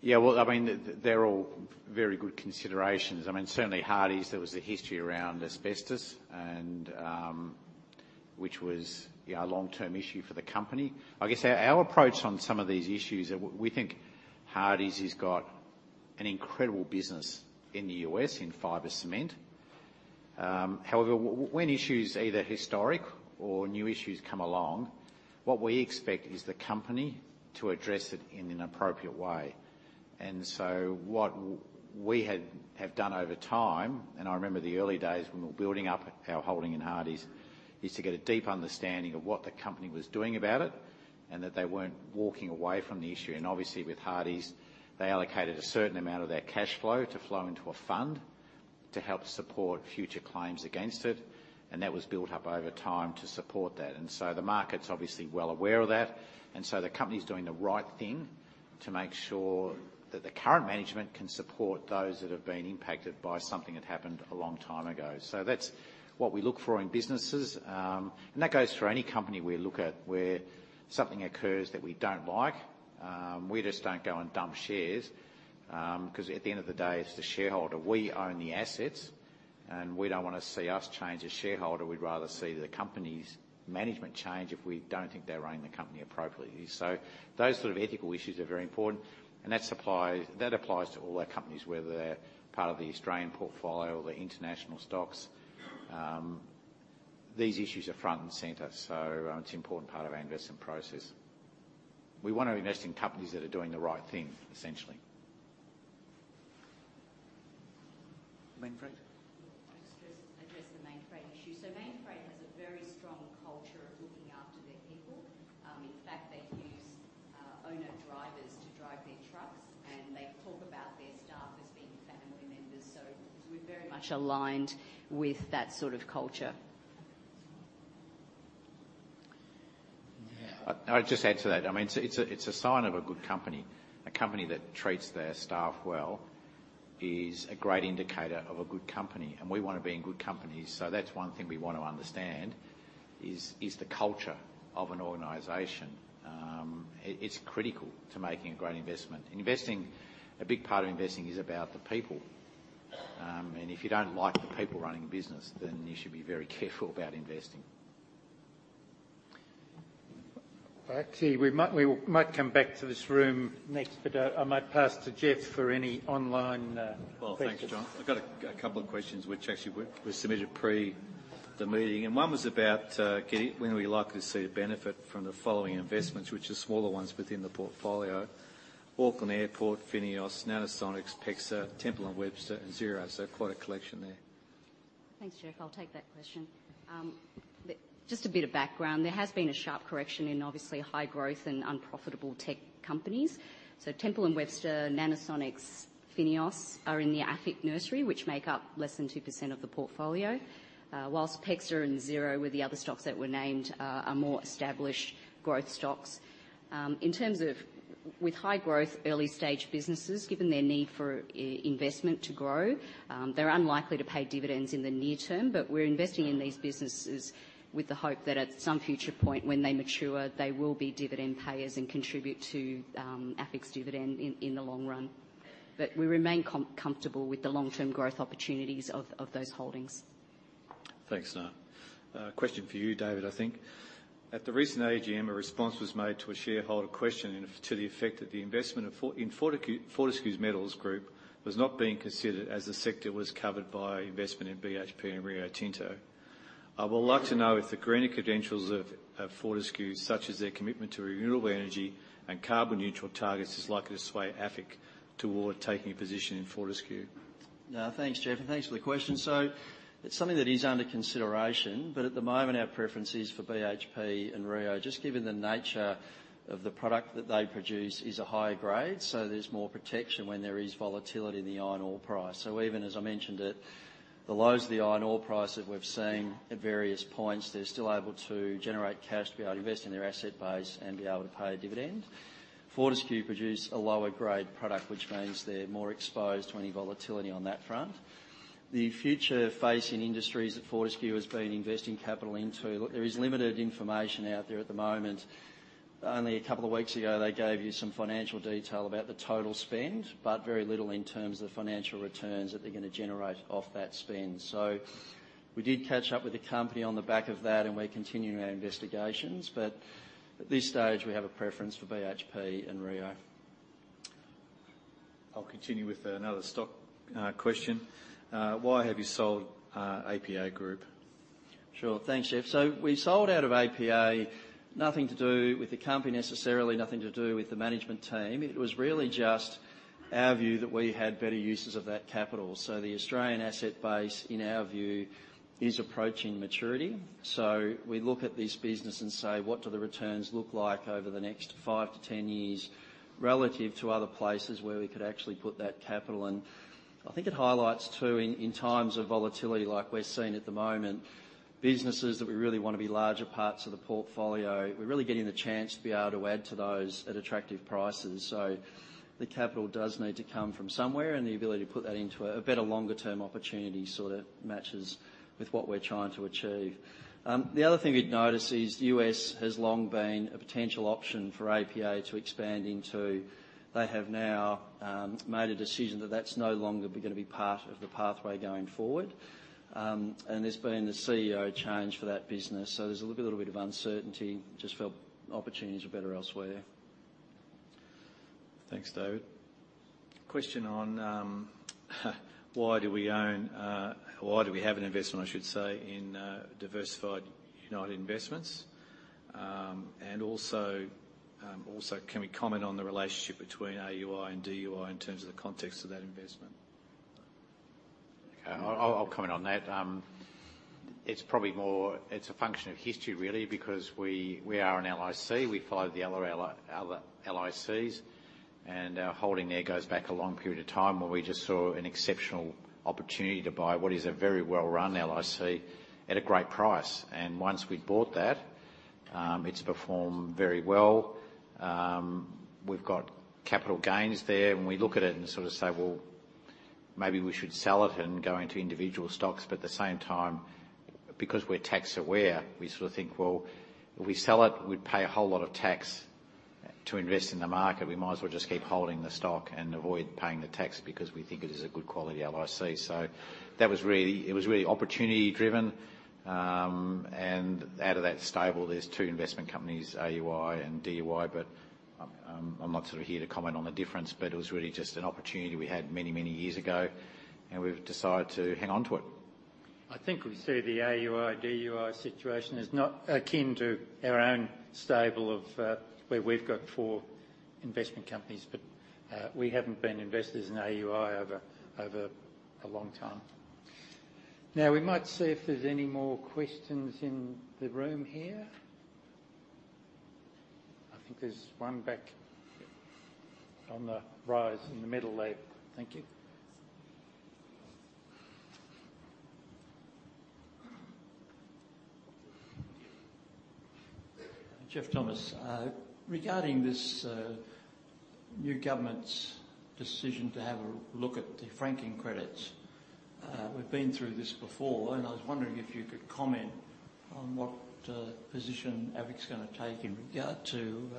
C: Yeah. Well, I mean, they're all very good considerations. I mean, certainly Hardie's, there was a history around asbestos and, which was a long-term issue for the company. I guess our approach on some of these issues is we think Hardie's has got an incredible business in the U.S. in fiber cement. However, when issues, either historic or new issues come along, what we expect is the company to address it in an appropriate way. What we have done over time, and I remember the early days when we were building up our holding in Hardie's, is to get a deep understanding of what the company was doing about it and that they weren't walking away from the issue. Obviously, with James Hardie's, they allocated a certain amount of their cash flow to flow into a fund to help support future claims against it, and that was built up over time to support that. The market's obviously well aware of that. The company's doing the right thing to make sure that the current management can support those that have been impacted by something that happened a long time ago. That's what we look for in businesses. That goes for any company we look at where something occurs that we don't like, we just don't go and dump shares, 'cause at the end of the day, it's the shareholder. We own the assets, and we don't wanna see us change as shareholder. We'd rather see the company's management change if we don't think they're running the company appropriately. Those sort of ethical issues are very important. That applies to all our companies, whether they're part of the Australian portfolio or the international stocks. These issues are front and center, so it's an important part of our investment process. We wanna invest in companies that are doing the right thing, essentially. Mainfreight?
F: I'll just address the Mainfreight issue. Mainfreight has a very strong culture of looking after their people. In fact, they use owner-drivers to drive their trucks, and they talk about their staff as being family members. We're very much aligned with that sort of culture.
C: Yeah. I would just add to that. I mean, it's a sign of a good company. A company that treats their staff well is a great indicator of a good company, and we wanna be in good companies. That's one thing we want to understand is the culture of an organization. It's critical to making a great investment. Investing, a big part of investing is about the people. If you don't like the people running a business, then you should be very careful about investing. All right. We might come back to this room next, but I might pass to Geoff for any online questions.
B: Well, thanks, John. I've got a couple of questions which actually were submitted pre the meeting, and one was about when are we likely to see a benefit from the following investments, which are smaller ones within the portfolio: Auckland International Airport, FINEOS, Nanosonics, PEXA, Temple & Webster, and Xero. So quite a collection there.
F: Thanks, Geoff. I'll take that question. Just a bit of background, there has been a sharp correction in obviously high growth and unprofitable tech companies. Temple & Webster, Nanosonics, FINEOS are in the AFIC nursery, which make up less than 2% of the portfolio. While PEXA and Xero were the other stocks that were named, are more established growth stocks. In terms of with high growth early-stage businesses, given their need for investment to grow, they're unlikely to pay dividends in the near term, but we're investing in these businesses with the hope that at some future point when they mature, they will be dividend payers and contribute to AFIC's dividend in the long run. We remain comfortable with the long-term growth opportunities of those holdings.
B: Thanks, Nga. Question for you, David, I think. At the recent AGM, a response was made to a shareholder question and to the effect that the investment in Fortescue Metals Group was not being considered as the sector was covered by investment in BHP and Rio Tinto. I would like to know if the greener credentials of Fortescue, such as their commitment to renewable energy and carbon neutral targets, is likely to sway AFIC toward taking a position in Fortescue.
E: No, thanks, Geoff, and thanks for the question. It's something that is under consideration, but at the moment, our preference is for BHP and Rio, just given the nature of the product that they produce is a higher grade, so there's more protection when there is volatility in the iron ore price. Even as I mentioned at the lows of the iron ore price that we've seen at various points, they're still able to generate cash to be able to invest in their asset base and be able to pay a dividend. Fortescue produce a lower grade product, which means they're more exposed to any volatility on that front. The future-facing industries that Fortescue has been investing capital into, there is limited information out there at the moment. Only a couple of weeks ago, they gave you some financial detail about the total spend, but very little in terms of the financial returns that they're gonna generate off that spend. We did catch up with the company on the back of that, and we're continuing our investigations, but at this stage we have a preference for BHP and Rio Tinto.
B: I'll continue with another stock question. Why have you sold APA Group?
E: Sure. Thanks, Geoff. We sold out of APA, nothing to do with the company necessarily, nothing to do with the management team. It was really just our view that we had better uses of that capital. The Australian asset base, in our view, is approaching maturity. We look at this business and say, "What do the returns look like over the next five-10 years relative to other places where we could actually put that capital?" I think it highlights too in times of volatility like we're seeing at the moment, businesses that we really wanna be larger parts of the portfolio, we're really getting the chance to be able to add to those at attractive prices. The capital does need to come from somewhere and the ability to put that into a better longer term opportunity sort of matches with what we're trying to achieve. The other thing you'd notice is the U.S. has long been a potential option for APA to expand into. They have now made a decision that that's no longer gonna be part of the pathway going forward. There's been a CEO change for that business. There's a little bit of uncertainty. Just felt opportunities were better elsewhere.
B: Thanks, David. Question on why do we own or why do we have an investment, I should say, in Diversified United Investment? Also can we comment on the relationship between AUI and DUI in terms of the context of that investment?
E: Okay. I'll comment on that. It's a function of history really because we are an LIC. We follow the other LICs and our holding there goes back a long period of time where we just saw an exceptional opportunity to buy what is a very well-run LIC at a great price. Once we bought that, it's performed very well. We've got capital gains there, and we look at it and sort of say, "Well, maybe we should sell it and go into individual stocks." At the same time, because we're tax aware, we sort of think, "Well, if we sell it, we'd pay a whole lot of tax to invest in the market. We might as well just keep holding the stock and avoid paying the tax because we think it is a good quality LIC." That was really opportunity driven. Out of that stable there's two investment companies, AUI and DUI, but I'm not sort of here to comment on the difference, but it was really just an opportunity we had many, many years ago and we've decided to hang on to it.
A: I think we see the AUI, DUI situation as not akin to our own stable of where we've got four investment companies, but we haven't been investors in AUI over a long time. Now, we might see if there's any more questions in the room here. I think there's one back on the right in the middle there. Thank you.
J: Jeff Thomas. Regarding this new government's decision to have a look at the franking credits, we've been through this before and I was wondering if you could comment on what position AFIC's gonna take in regard to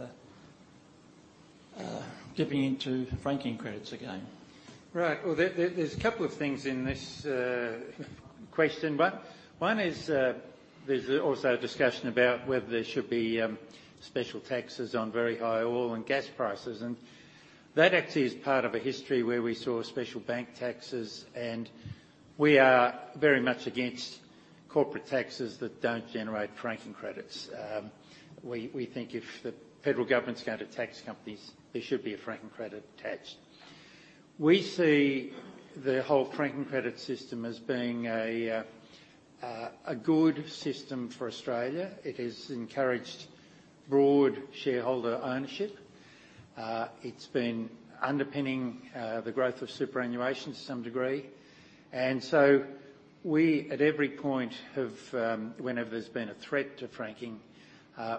J: dipping into franking credits again?
A: Right. Well, there's a couple of things in this question. One is also a discussion about whether there should be special taxes on very high oil and gas prices, and that actually is part of a history where we saw special bank taxes and we are very much against corporate taxes that don't generate franking credits. We think if the federal government's going to tax companies, there should be a franking credit attached. We see the whole franking credit system as being a good system for Australia. It has encouraged broad shareholder ownership. It's been underpinning the growth of superannuation to some degree. We, at every point, have whenever there's been a threat to franking,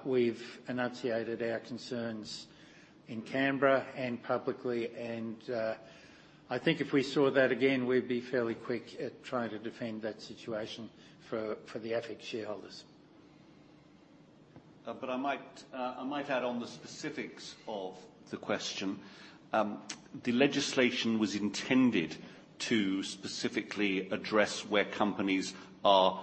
A: we've enunciated our concerns in Canberra and publicly. I think if we saw that again, we'd be fairly quick at trying to defend that situation for the AFIC shareholders.
D: I might add on the specifics of the question. The legislation was intended to specifically address where companies are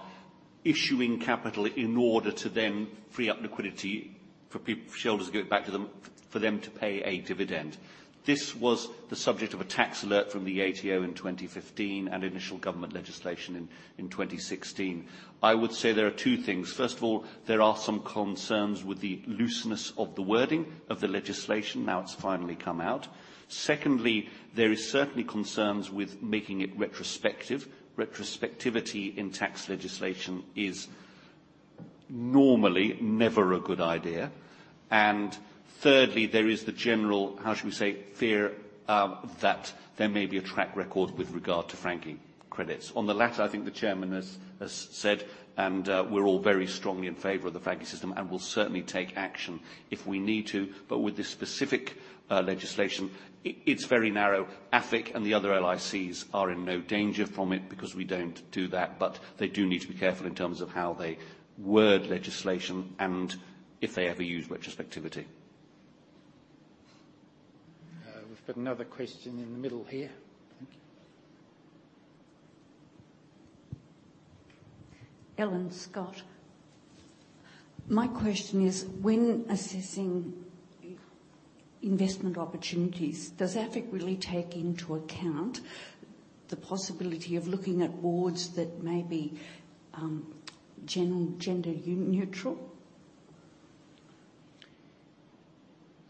D: issuing capital in order to then free up liquidity for shareholders to give it back to them for them to pay a dividend. This was the subject of a tax alert from the ATO in 2015 and initial government legislation in 2016. I would say there are two things. First of all, there are some concerns with the looseness of the wording of the legislation, now it's finally come out. Secondly, there is certainly concerns with making it retrospective. Retrospectivity in tax legislation is normally never a good idea. Thirdly, there is the general, how shall we say, fear that there may be a track record with regard to franking credits. On the latter, I think the chairman has said, and we're all very strongly in favor of the franking system and will certainly take action if we need to. With this specific legislation, it's very narrow. AFIC and the other LICs are in no danger from it because we don't do that. They do need to be careful in terms of how they word legislation and if they ever use retrospectivity.
A: We've got another question in the middle here. Thank you.
K: My question is, when assessing investment opportunities, does AFIC really take into account the possibility of looking at boards that may be gender-neutral?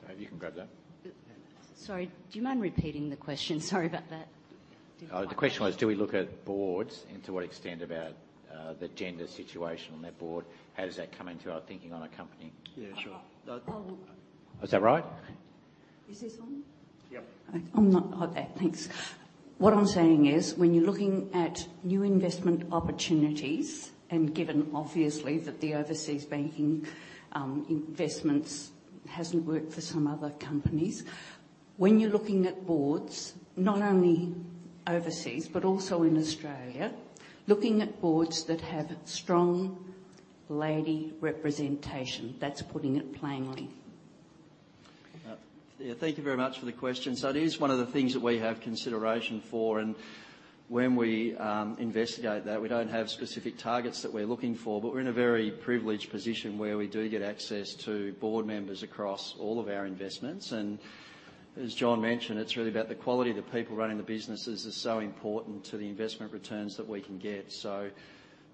A: Dave, you can grab that.
F: Sorry, do you mind repeating the question? Sorry about that.
A: Oh, the question was, do we look at boards and to what extent about, the gender situation on that board? How does that come into our thinking on a company?
K: Yeah, sure. I'll-
A: Is that right?
K: Is this on?
A: Yep.
K: Okay, thanks. What I'm saying is, when you're looking at new investment opportunities, and given obviously that the overseas banking investments hasn't worked for some other companies. When you're looking at boards, not only overseas but also in Australia, looking at boards that have strong lady representation. That's putting it plainly.
E: Yeah, thank you very much for the question. It is one of the things that we have consideration for. When we investigate that, we don't have specific targets that we're looking for. We're in a very privileged position where we do get access to board members across all of our investments. As John mentioned, it's really about the quality of the people running the businesses is so important to the investment returns that we can get.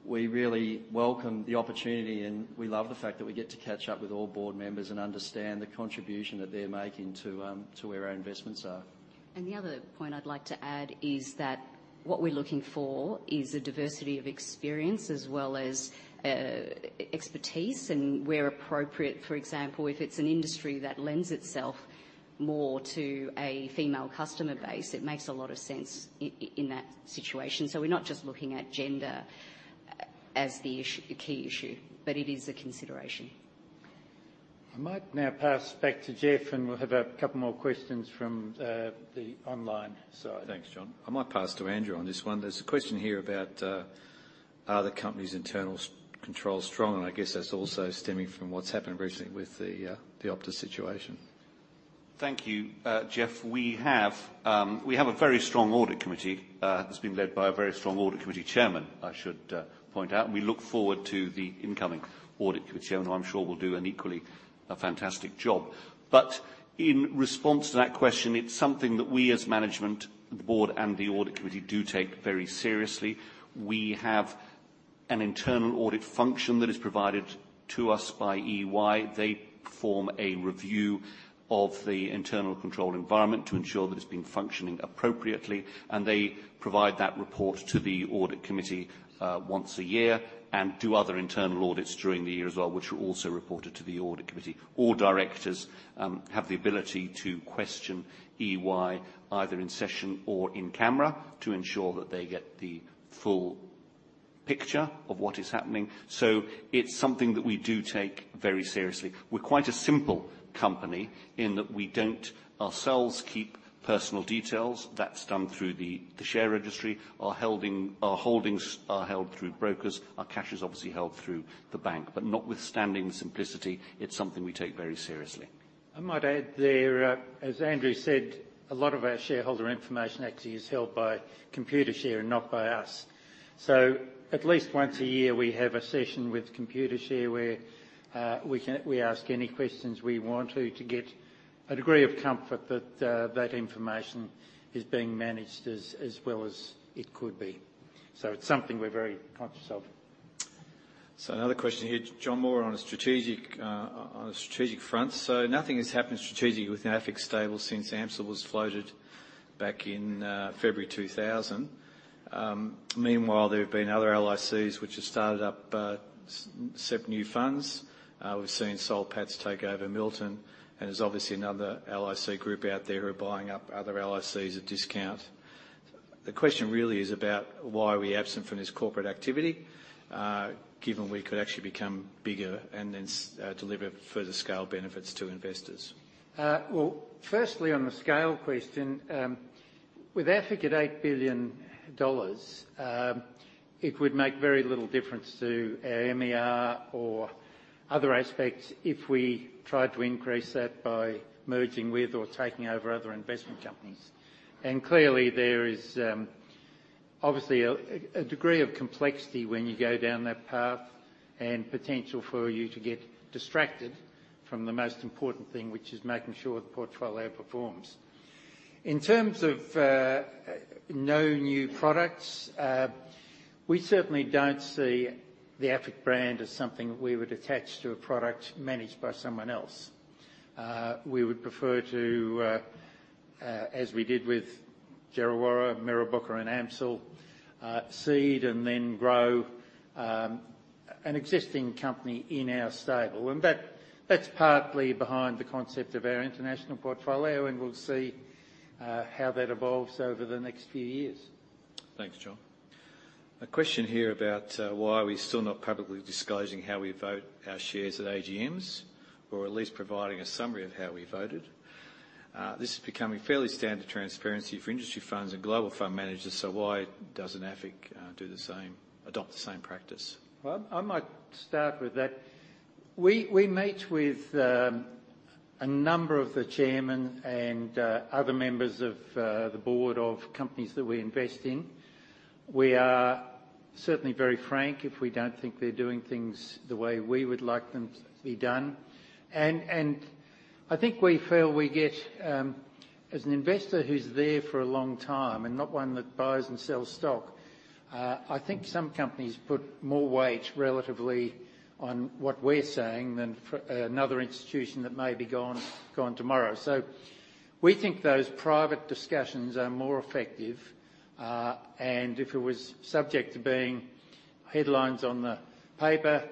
E: We really welcome the opportunity, and we love the fact that we get to catch up with all board members and understand the contribution that they're making to where our investments are.
F: The other point I'd like to add is that what we're looking for is a diversity of experience as well as expertise and where appropriate. For example, if it's an industry that lends itself more to a female customer base, it makes a lot of sense in that situation. We're not just looking at gender as the key issue, but it is a consideration.
A: I might now pass back to Geoff, and we'll have a couple more questions from the online side.
B: Thanks, John. I might pass to Andrew on this one. There's a question here about are the company's internal controls strong? I guess that's also stemming from what's happened recently with the Optus situation.
D: Thank you, Geoff. We have a very strong audit committee that's being led by a very strong audit committee chairman, I should point out, and we look forward to the incoming audit committee chairman, who I'm sure will do an equally fantastic job. In response to that question, it's something that we as management, the board and the audit committee do take very seriously. We have an internal audit function that is provided to us by EY. They perform a review of the internal control environment to ensure that it's been functioning appropriately. They provide that report to the audit committee once a year and do other internal audits during the year as well, which are also reported to the audit committee. All directors have the ability to question EY, either in session or in camera, to ensure that they get the full picture of what is happening. It's something that we do take very seriously. We're quite a simple company in that we don't ourselves keep personal details. That's done through the share registry. Our holdings are held through brokers. Our cash is obviously held through the bank. Notwithstanding the simplicity, it's something we take very seriously.
A: I might add there, as Andrew said, a lot of our shareholder information actually is held by Computershare and not by us. So at least once a year, we have a session with Computershare where we can ask any questions we want to get a degree of comfort that that information is being managed as well as it could be. So it's something we're very conscious of.
B: Another question here, John Moore, on a strategic front. Nothing has happened strategically within AFIC's stable since AMCIL was floated back in February 2000. Meanwhile, there have been other LICs which have started up, seven new funds. We've seen Soul Patts take over Milton, and there's obviously another LIC group out there who are buying up other LICs at discount. The question really is about why we are absent from this corporate activity, given we could actually become bigger and then deliver further scale benefits to investors.
A: Well, firstly, on the scale question, with AFIC at 8 billion dollars, it would make very little difference to our MER or other aspects if we tried to increase that by merging with or taking over other investment companies. Clearly, there is obviously a degree of complexity when you go down that path, and potential for you to get distracted from the most important thing, which is making sure the portfolio performs. In terms of no new products, we certainly don't see the AFIC brand as something that we would attach to a product managed by someone else. We would prefer to, as we did with Djerriwarrh, Mirrabooka, and AMCIL, seed and then grow an existing company in our stable. That's partly behind the concept of our international portfolio, and we'll see how that evolves over the next few years.
B: Thanks, John. A question here about why are we still not publicly disclosing how we vote our shares at AGMs, or at least providing a summary of how we voted. This is becoming fairly standard transparency for industry funds and global fund managers, so why doesn't AFIC do the same, adopt the same practice?
A: Well, I might start with that. We meet with a number of the chairman and other members of the board of companies that we invest in. We are certainly very frank if we don't think they're doing things the way we would like them to be done. I think we feel we get as an investor who's there for a long time and not one that buys and sells stock. I think some companies put more weight relatively on what we're saying than for another institution that may be gone tomorrow. We think those private discussions are more effective, and if it was subject to being headlines on the paper,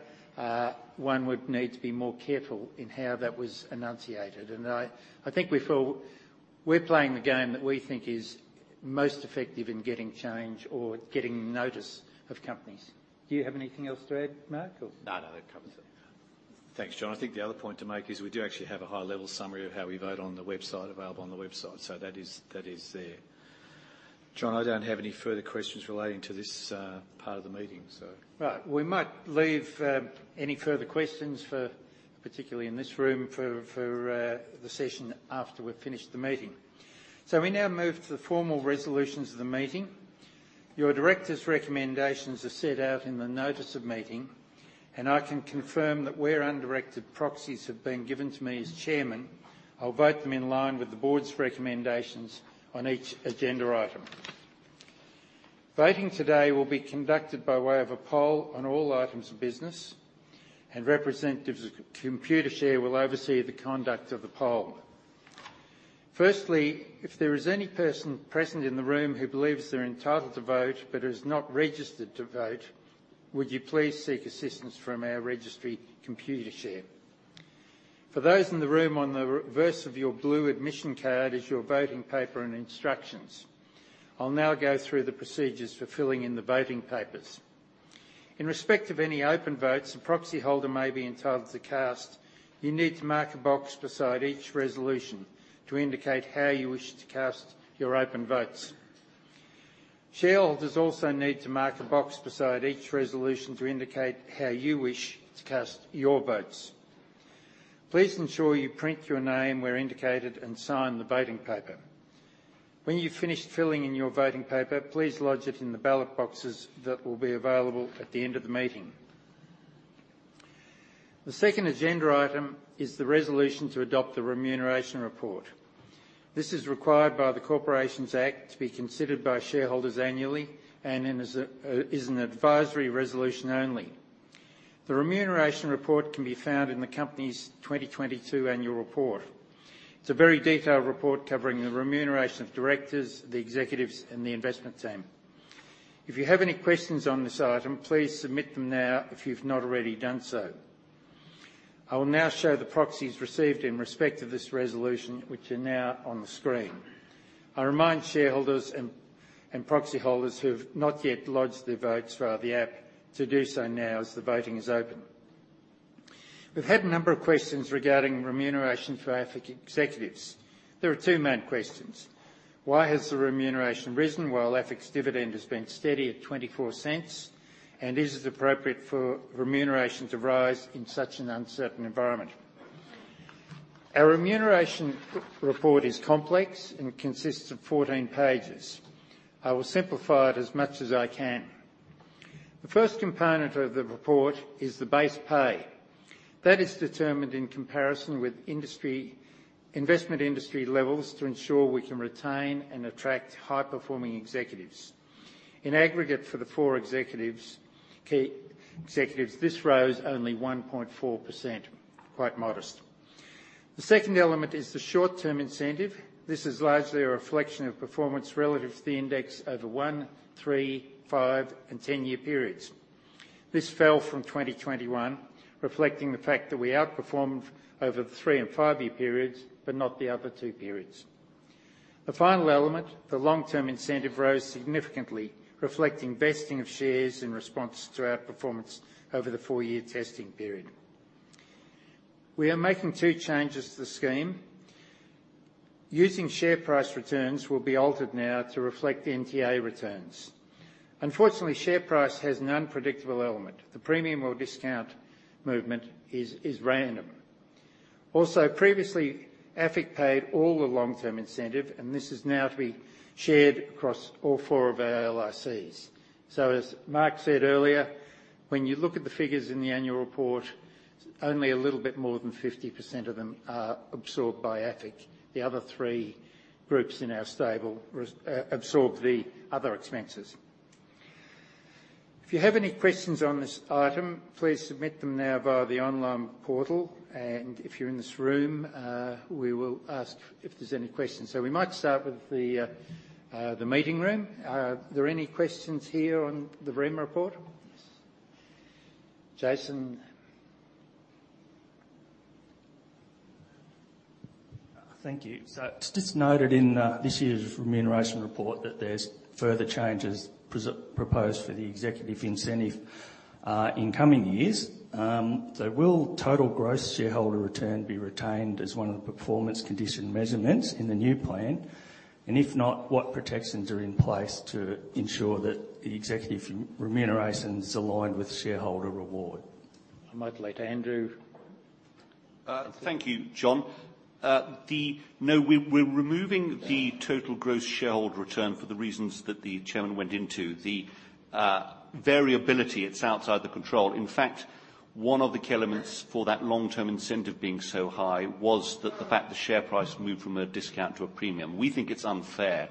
A: one would need to be more careful in how that was enunciated. I think we feel we're playing the game that we think is most effective in getting change or getting notice of companies. Do you have anything else to add, Mark, or?
C: No, no, that covers it.
B: Thanks, John. I think the other point to make is we do actually have a high-level summary of how we vote on the website, available on the website. That is there. John, I don't have any further questions relating to this part of the meeting, so.
A: Right. We might leave any further questions for particularly in this room for the session after we've finished the meeting. We now move to the formal resolutions of the meeting. Your directors' recommendations are set out in the notice of meeting, and I can confirm that where undirected proxies have been given to me as chairman, I'll vote them in line with the board's recommendations on each agenda item. Voting today will be conducted by way of a poll on all items of business, and representatives of Computershare will oversee the conduct of the poll. Firstly, if there is any person present in the room who believes they're entitled to vote, but is not registered to vote, would you please seek assistance from our registry, Computershare. For those in the room, on the reverse of your blue admission card is your voting paper and instructions. I'll now go through the procedures for filling in the voting papers. In respect of any open votes a proxyholder may be entitled to cast, you need to mark a box beside each resolution to indicate how you wish to cast your open votes. Shareholders also need to mark a box beside each resolution to indicate how you wish to cast your votes. Please ensure you print your name where indicated and sign the voting paper. When you've finished filling in your voting paper, please lodge it in the ballot boxes that will be available at the end of the meeting. The second agenda item is the resolution to adopt the remuneration report. This is required by the Corporations Act to be considered by shareholders annually and is an advisory resolution only. The remuneration report can be found in the company's 2022 annual report. It's a very detailed report covering the remuneration of directors, the executives, and the investment team. If you have any questions on this item, please submit them now if you've not already done so. I will now show the proxies received in respect of this resolution, which are now on the screen. I remind shareholders and proxy holders who have not yet lodged their votes via the app to do so now as the voting is open. We've had a number of questions regarding remuneration for AFIC executives. There are two main questions. Why has the remuneration risen while AFIC's dividend has been steady at 0.24? Is it appropriate for remuneration to rise in such an uncertain environment? Our remuneration report is complex and consists of 14 pages. I will simplify it as much as I can. The first component of the report is the base pay. That is determined in comparison with industry investment industry levels to ensure we can retain and attract high-performing executives. In aggregate for the four executives, key executives, this rose only 1.4%. Quite modest. The second element is the short-term incentive. This is largely a reflection of performance relative to the index over one-, three-, five-, and 10-year periods. This fell from 2021, reflecting the fact that we outperformed over the three- and five-year periods, but not the other two periods. The final element, the long-term incentive, rose significantly reflecting vesting of shares in response to our performance over the four-year testing period. We are making two changes to the scheme. Using share price returns will be altered now to reflect NTA returns. Unfortunately, share price has an unpredictable element. The premium or discount movement is random. Also, previously, AFIC paid all the long-term incentive, and this is now to be shared across all four of our LICs. As Mark said earlier, when you look at the figures in the annual report, only a little bit more than 50% of them are absorbed by AFIC. The other three groups in our stable absorb the other expenses. If you have any questions on this item, please submit them now via the online portal. If you're in this room, we will ask if there's any questions. We might start with the meeting room. Are there any questions here on the remuneration report? Jason.
H: Thank you. It's just noted in this year's remuneration report that there's further changes proposed for the executive incentive in coming years. Will total shareholder return be retained as one of the performance condition measurements in the new plan? And if not, what protections are in place to ensure that the executive remuneration's aligned with shareholder reward?
A: I might defer to Andrew.
D: Thank you, John. No, we're removing the total shareholder return for the reasons that the chairman went into. The variability, it's outside the control. In fact, one of the elements for that long-term incentive being so high was the fact the share price moved from a discount to a premium. We think it's unfair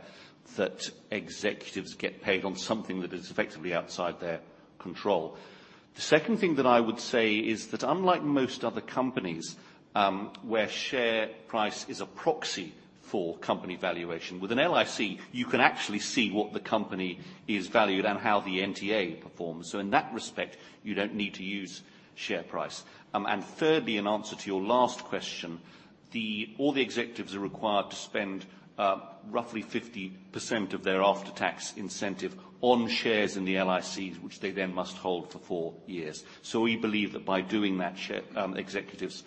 D: that executives get paid on something that is effectively outside their control. The second thing that I would say is that unlike most other companies, where share price is a proxy for company valuation, with an LIC, you can actually see what the company is valued and how the NTA performs. In that respect, you don't need to use share price. Thirdly, in answer to your last question, the, all the executives are required to spend roughly 50% of their after-tax incentive on shares in the LICs, which they then must hold for four years. We believe that by doing that share, executives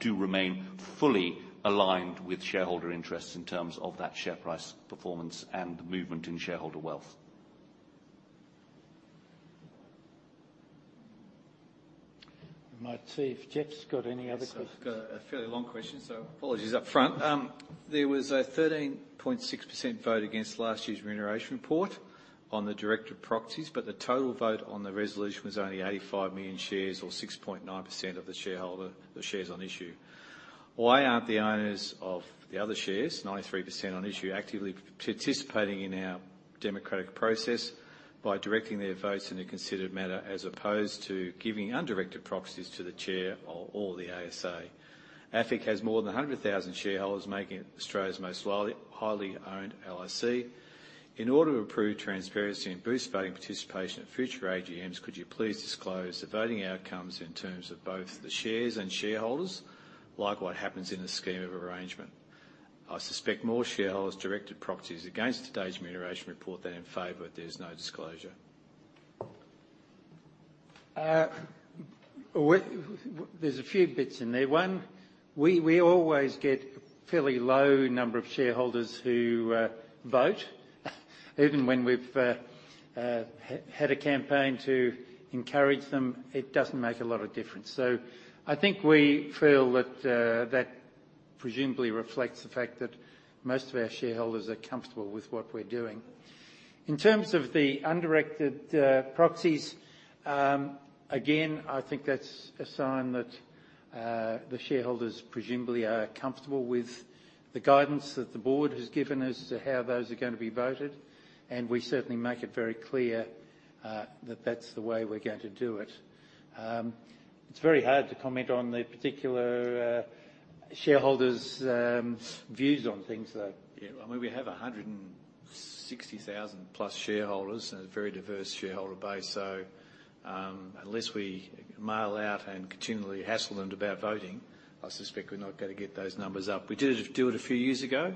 D: do remain fully aligned with shareholder interests in terms of that share price performance and movement in shareholder wealth.
A: We might see if Geoff's got any other questions.
B: Yes. I've got a fairly long question, so apologies up front. There was a 13.6% vote against last year's remuneration report on the director proxies, but the total vote on the resolution was only 85 million shares or 6.9% of the shares on issue. Why aren't the owners of the other shares, 93% on issue, actively participating in our democratic process by directing their votes in a considered manner as opposed to giving undirected proxies to the chair or the ASA? AFIC has more than 100,000 shareholders, making it Australia's most highly owned LIC. In order to improve transparency and boost voting participation at future AGMs, could you please disclose the voting outcomes in terms of both the shares and shareholders, like what happens in a scheme of arrangement? I suspect more shareholders directed proxies against today's remuneration report than in favor, but there's no disclosure.
A: There's a few bits in there. One, we always get fairly low number of shareholders who vote. Even when we've had a campaign to encourage them, it doesn't make a lot of difference. I think we feel that that presumably reflects the fact that most of our shareholders are comfortable with what we're doing. In terms of the undirected proxies, again, I think that's a sign that the shareholders presumably are comfortable with the guidance that the board has given as to how those are gonna be voted, and we certainly make it very clear that that's the way we're going to do it. It's very hard to comment on the particular shareholders' views on things, though.
B: Yeah. I mean, we have 160,000+ shareholders and a very diverse shareholder base. Unless we mail out and continually hassle them about voting, I suspect we're not gonna get those numbers up. We do it a few years ago,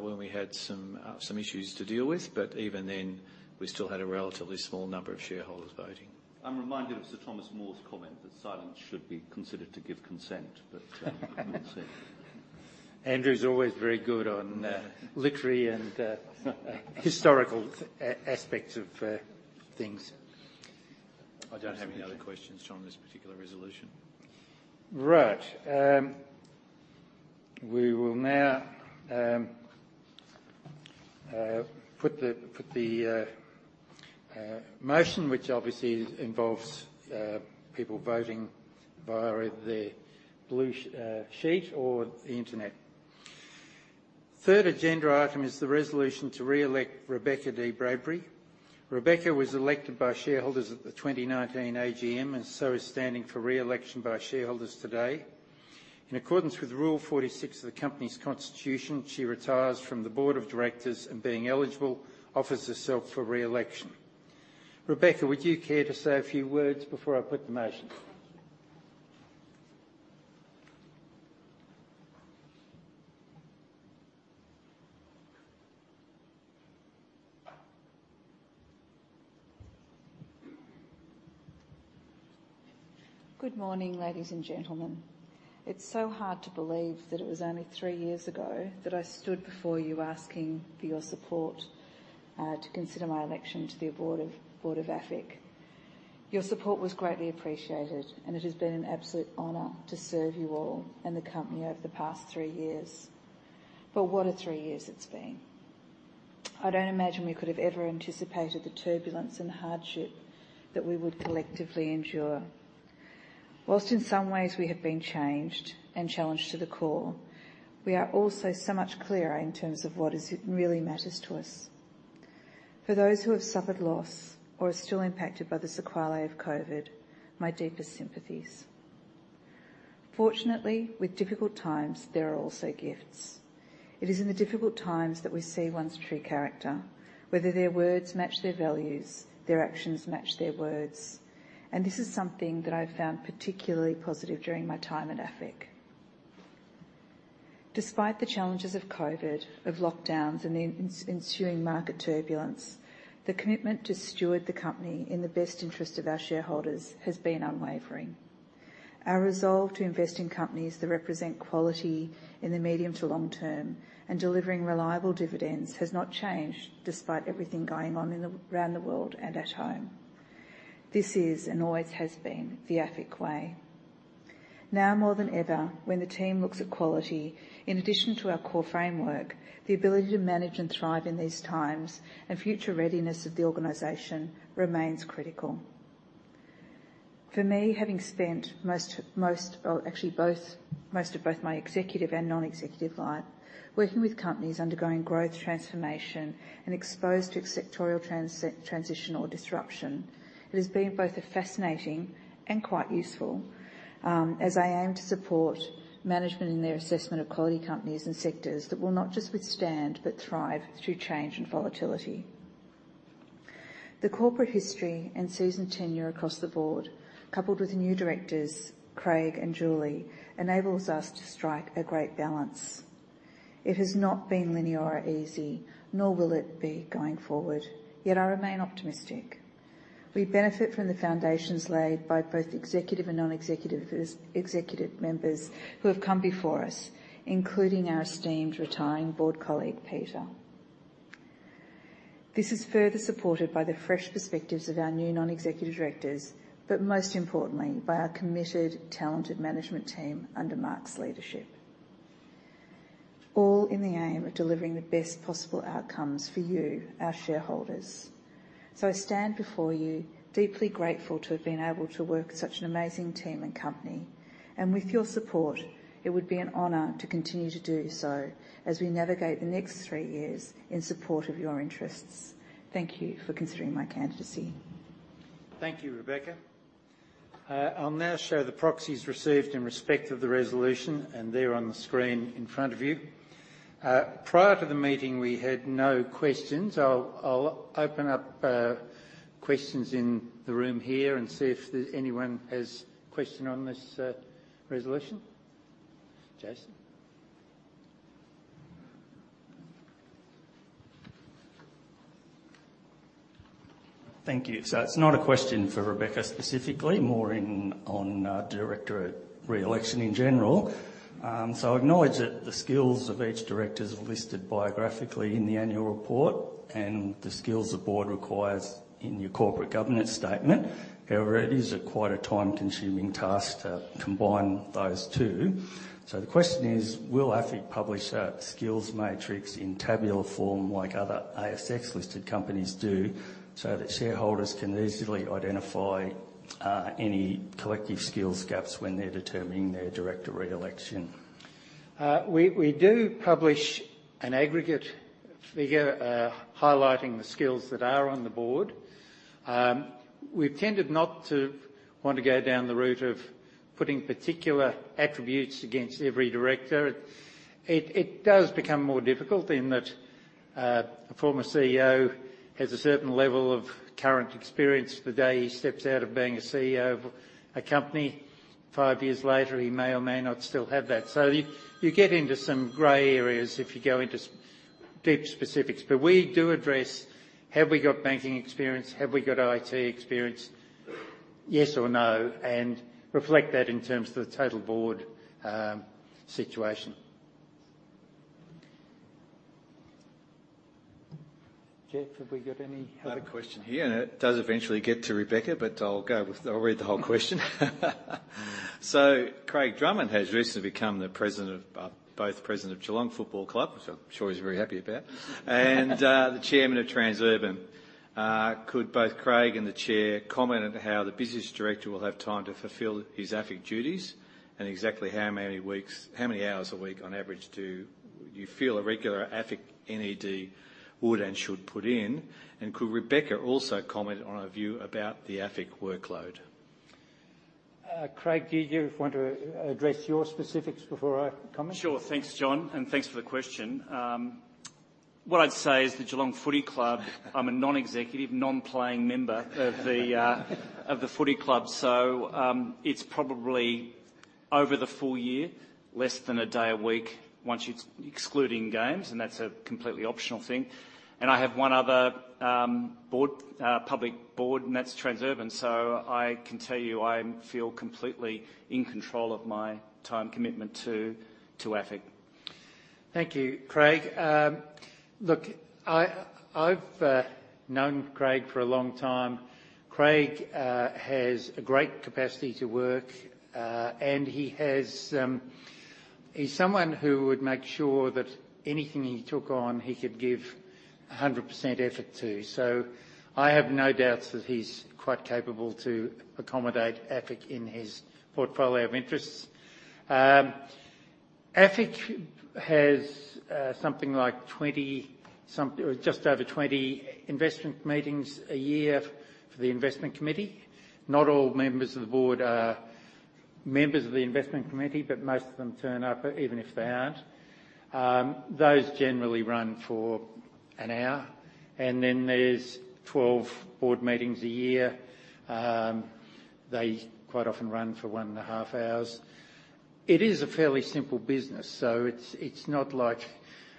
B: when we had some issues to deal with, but even then, we still had a relatively small number of shareholders voting.
D: I'm reminded of Sir Thomas More's comment that silence should be considered to give consent. We'll see.
A: Andrew's always very good on literary and historical aspects of things.
B: I don't have any other questions on this particular resolution.
A: Right. We will now put the motion, which obviously involves people voting via the blue sheet or the internet. Third agenda item is the resolution to re-elect Rebecca Dee-Bradbury. Rebecca was elected by shareholders at the 2019 AGM, and so is standing for re-election by shareholders today. In accordance with Rule 46 of the company's constitution, she retires from the board of directors and, being eligible, offers herself for re-election. Rebecca, would you care to say a few words before I put the motion?
L: Thank you. Good morning, ladies and gentlemen. It's so hard to believe that it was only three years ago that I stood before you asking for your support to consider my election to the board of AFIC. Your support was greatly appreciated, and it has been an absolute honor to serve you all and the company over the past three years. What a three years it's been. I don't imagine we could have ever anticipated the turbulence and hardship that we would collectively endure. While in some ways we have been changed and challenged to the core, we are also so much clearer in terms of what really matters to us. For those who have suffered loss or are still impacted by the sequelae of COVID, my deepest sympathies. Fortunately, with difficult times, there are also gifts. It is in the difficult times that we see one's true character, whether their words match their values, their actions match their words, and this is something that I've found particularly positive during my time at AFIC. Despite the challenges of COVID, of lockdowns, and the ensuing market turbulence, the commitment to steward the company in the best interest of our shareholders has been unwavering. Our resolve to invest in companies that represent quality in the medium to long term and delivering reliable dividends has not changed despite everything going on around the world and at home. This is, and always has been, the AFIC way. Now more than ever, when the team looks at quality, in addition to our core framework, the ability to manage and thrive in these times and future readiness of the organization remains critical. For me, having spent most, or actually both Most of both my executive and non-executive life working with companies undergoing growth transformation and exposed to sectoral transition or disruption, it has been both a fascinating and quite useful, as I aim to support management in their assessment of quality companies and sectors that will not just withstand, but thrive through change and volatility. The corporate history and seasoned tenure across the board, coupled with the new directors, Craig and Julie, enables us to strike a great balance. It has not been linear or easy, nor will it be going forward, yet I remain optimistic. We benefit from the foundations laid by both executive and non-executive executive members who have come before us, including our esteemed retiring board colleague, Peter. This is further supported by the fresh perspectives of our new non-executive directors, but most importantly, by our committed, talented management team under Mark's leadership, all in the aim of delivering the best possible outcomes for you, our shareholders. I stand before you, deeply grateful to have been able to work with such an amazing team and company, and with your support, it would be an honor to continue to do so as we navigate the next three years in support of your interests. Thank you for considering my candidacy.
A: Thank you, Rebecca. I'll now show the proxies received in respect of the resolution, and they're on the screen in front of you. Prior to the meeting, we had no questions. I'll open up questions in the room here and see if there's anyone has a question on this resolution. Jason?
H: Thank you. It's not a question for Rebecca specifically, more on director re-election in general. I acknowledge that the skills of each director is listed biographically in the annual report and the skills the board requires in your corporate governance statement. However, it is quite a time-consuming task to combine those two. The question is, will AFIC publish a skills matrix in tabular form like other ASX-listed companies do, so that shareholders can easily identify any collective skills gaps when they're determining their director re-election?
A: We do publish an aggregate figure highlighting the skills that are on the board. We've tended not to want to go down the route of putting particular attributes against every director. It does become more difficult in that a former CEO has a certain level of current experience the day he steps out of being a CEO of a company. Five years later, he may or may not still have that. You get into some gray areas if you go into such deep specifics. We do address, have we got banking experience, have we got IT experience, yes or no, and reflect that in terms of the total board situation. Geoff, have we got any other-
B: I have a question here, and it does eventually get to Rebecca, but I'll read the whole question. Craig Drummond has recently become the president of both Geelong Football Club, which I'm sure he's very happy about, and the chairman of Transurban. Could both Craig and the chair comment on how the non-executive director will have time to fulfill his AFIC duties? Exactly how many hours a week on average do you feel a regular AFIC NED would and should put in? Could Rebecca also comment on a view about the AFIC workload?
A: Craig, do you want to address your specifics before I comment?
M: Sure. Thanks, John, and thanks for the question. What I'd say is the Geelong Football Club, I'm a non-executive, non-playing member of the footy club. It's probably over the full year, less than a day a week once you're excluding games, and that's a completely optional thing. I have one other public board, and that's Transurban. I can tell you, I feel completely in control of my time commitment to AFIC.
A: Thank you, Craig. Look, I've known Craig for a long time. Craig has a great capacity to work, and he's someone who would make sure that anything he took on, he could give 100% effort to. I have no doubts that he's quite capable to accommodate AFIC in his portfolio of interests. AFIC has something like 20 or just over 20 investment meetings a year for the investment committee. Not all members of the board are members of the investment committee, but most of them turn up even if they aren't. Those generally run for an hour. Then there's 12 board meetings a year. They quite often run for 1.5 hours. It is a fairly simple business, so it's not like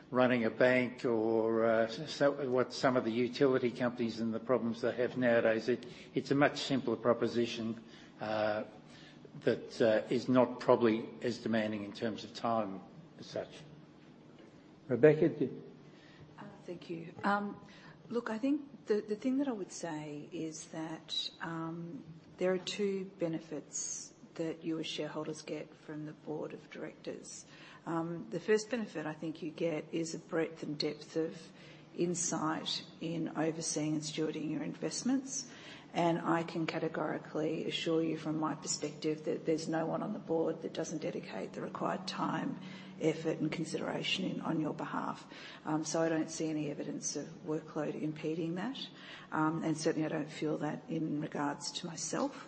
A: running a bank or some of the utility companies and the problems they have nowadays. It's a much simpler proposition that is not probably as demanding in terms of time as such. Rebecca, do-
L: Thank you. Look, I think the thing that I would say is that there are two benefits that you as shareholders get from the board of directors. The first benefit I think you get is a breadth and depth of insight in overseeing and stewarding your investments. I can categorically assure you from my perspective that there's no one on the board that doesn't dedicate the required time, effort, and consideration on your behalf. I don't see any evidence of workload impeding that. Certainly, I don't feel that in regards to myself.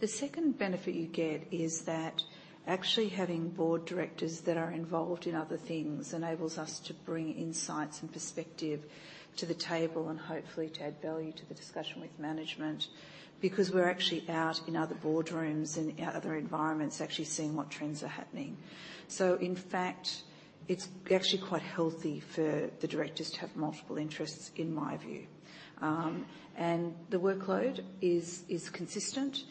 L: The second benefit you get is that actually having board directors that are involved in other things enables us to bring insights and perspective to the table, and hopefully to add value to the discussion with management, because we're actually out in other boardrooms and other environments, actually seeing what trends are happening. In fact, it's actually quite healthy for the directors to have multiple interests, in my view. The workload is consistent.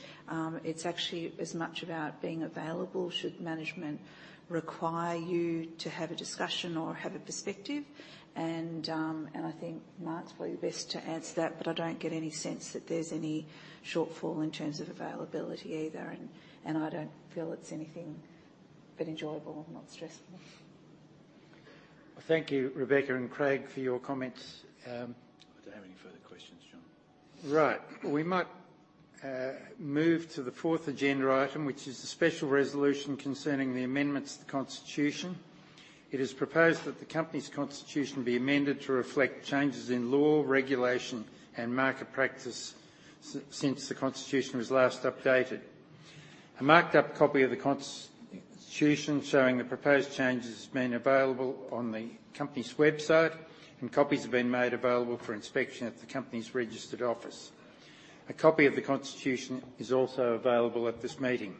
L: It's actually as much about being available should management require you to have a discussion or have a perspective. I think Mark's probably best to answer that, but I don't get any sense that there's any shortfall in terms of availability either, and I don't feel it's anything but enjoyable, not stressful.
A: Thank you, Rebecca and Craig, for your comments.
B: I don't have any further questions, John.
A: Right. We might move to the fourth agenda item, which is the special resolution concerning the amendments to the constitution. It is proposed that the company's constitution be amended to reflect changes in law, regulation, and market practice since the constitution was last updated. A marked-up copy of the constitution showing the proposed changes has been available on the company's website, and copies have been made available for inspection at the company's registered office. A copy of the constitution is also available at this meeting.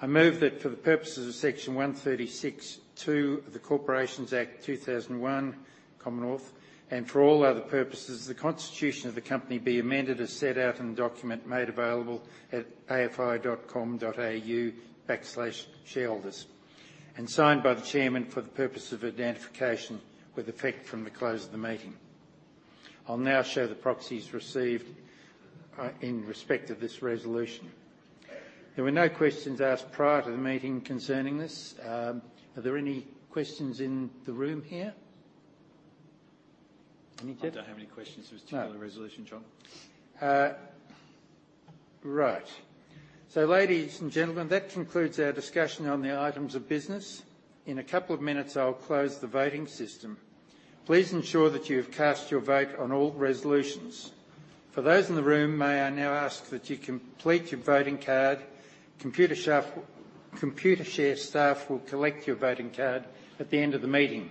A: I move that for the purposes of Section 136(2) of the Corporations Act 2001, Commonwealth, and for all other purposes, the constitution of the company be amended as set out in the document made available at afi.com.au/shareholders, and signed by the chairman for the purpose of identification with effect from the close of the meeting. I'll now show the proxies received in respect of this resolution. There were no questions asked prior to the meeting concerning this. Are there any questions in the room here? Any, Geoff?
B: I don't have any questions.
A: No
B: particular resolution, John.
A: Right. Ladies and gentlemen, that concludes our discussion on the items of business. In a couple of minutes, I'll close the voting system. Please ensure that you have cast your vote on all resolutions. For those in the room, may I now ask that you complete your voting card. Computershare staff will collect your voting card at the end of the meeting.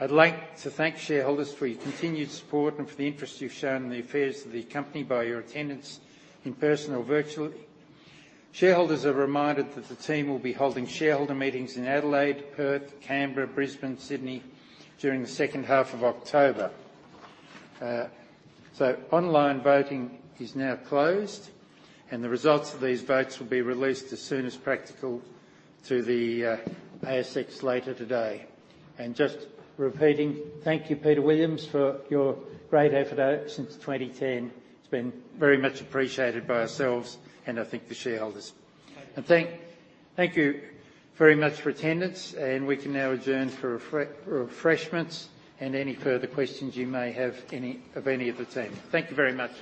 A: I'd like to thank shareholders for your continued support and for the interest you've shown in the affairs of the company by your attendance in person or virtually. Shareholders are reminded that the team will be holding shareholder meetings in Adelaide, Perth, Canberra, Brisbane, Sydney during the second half of October. Online voting is now closed, and the results of these votes will be released as soon as practical to the ASX later today. Just repeating, thank you, Peter Williams, for your great effort since 2010. It's been very much appreciated by ourselves and I think the shareholders. Thank you very much for attendance, and we can now adjourn for refreshments and any further questions you may have of any of the team. Thank you very much.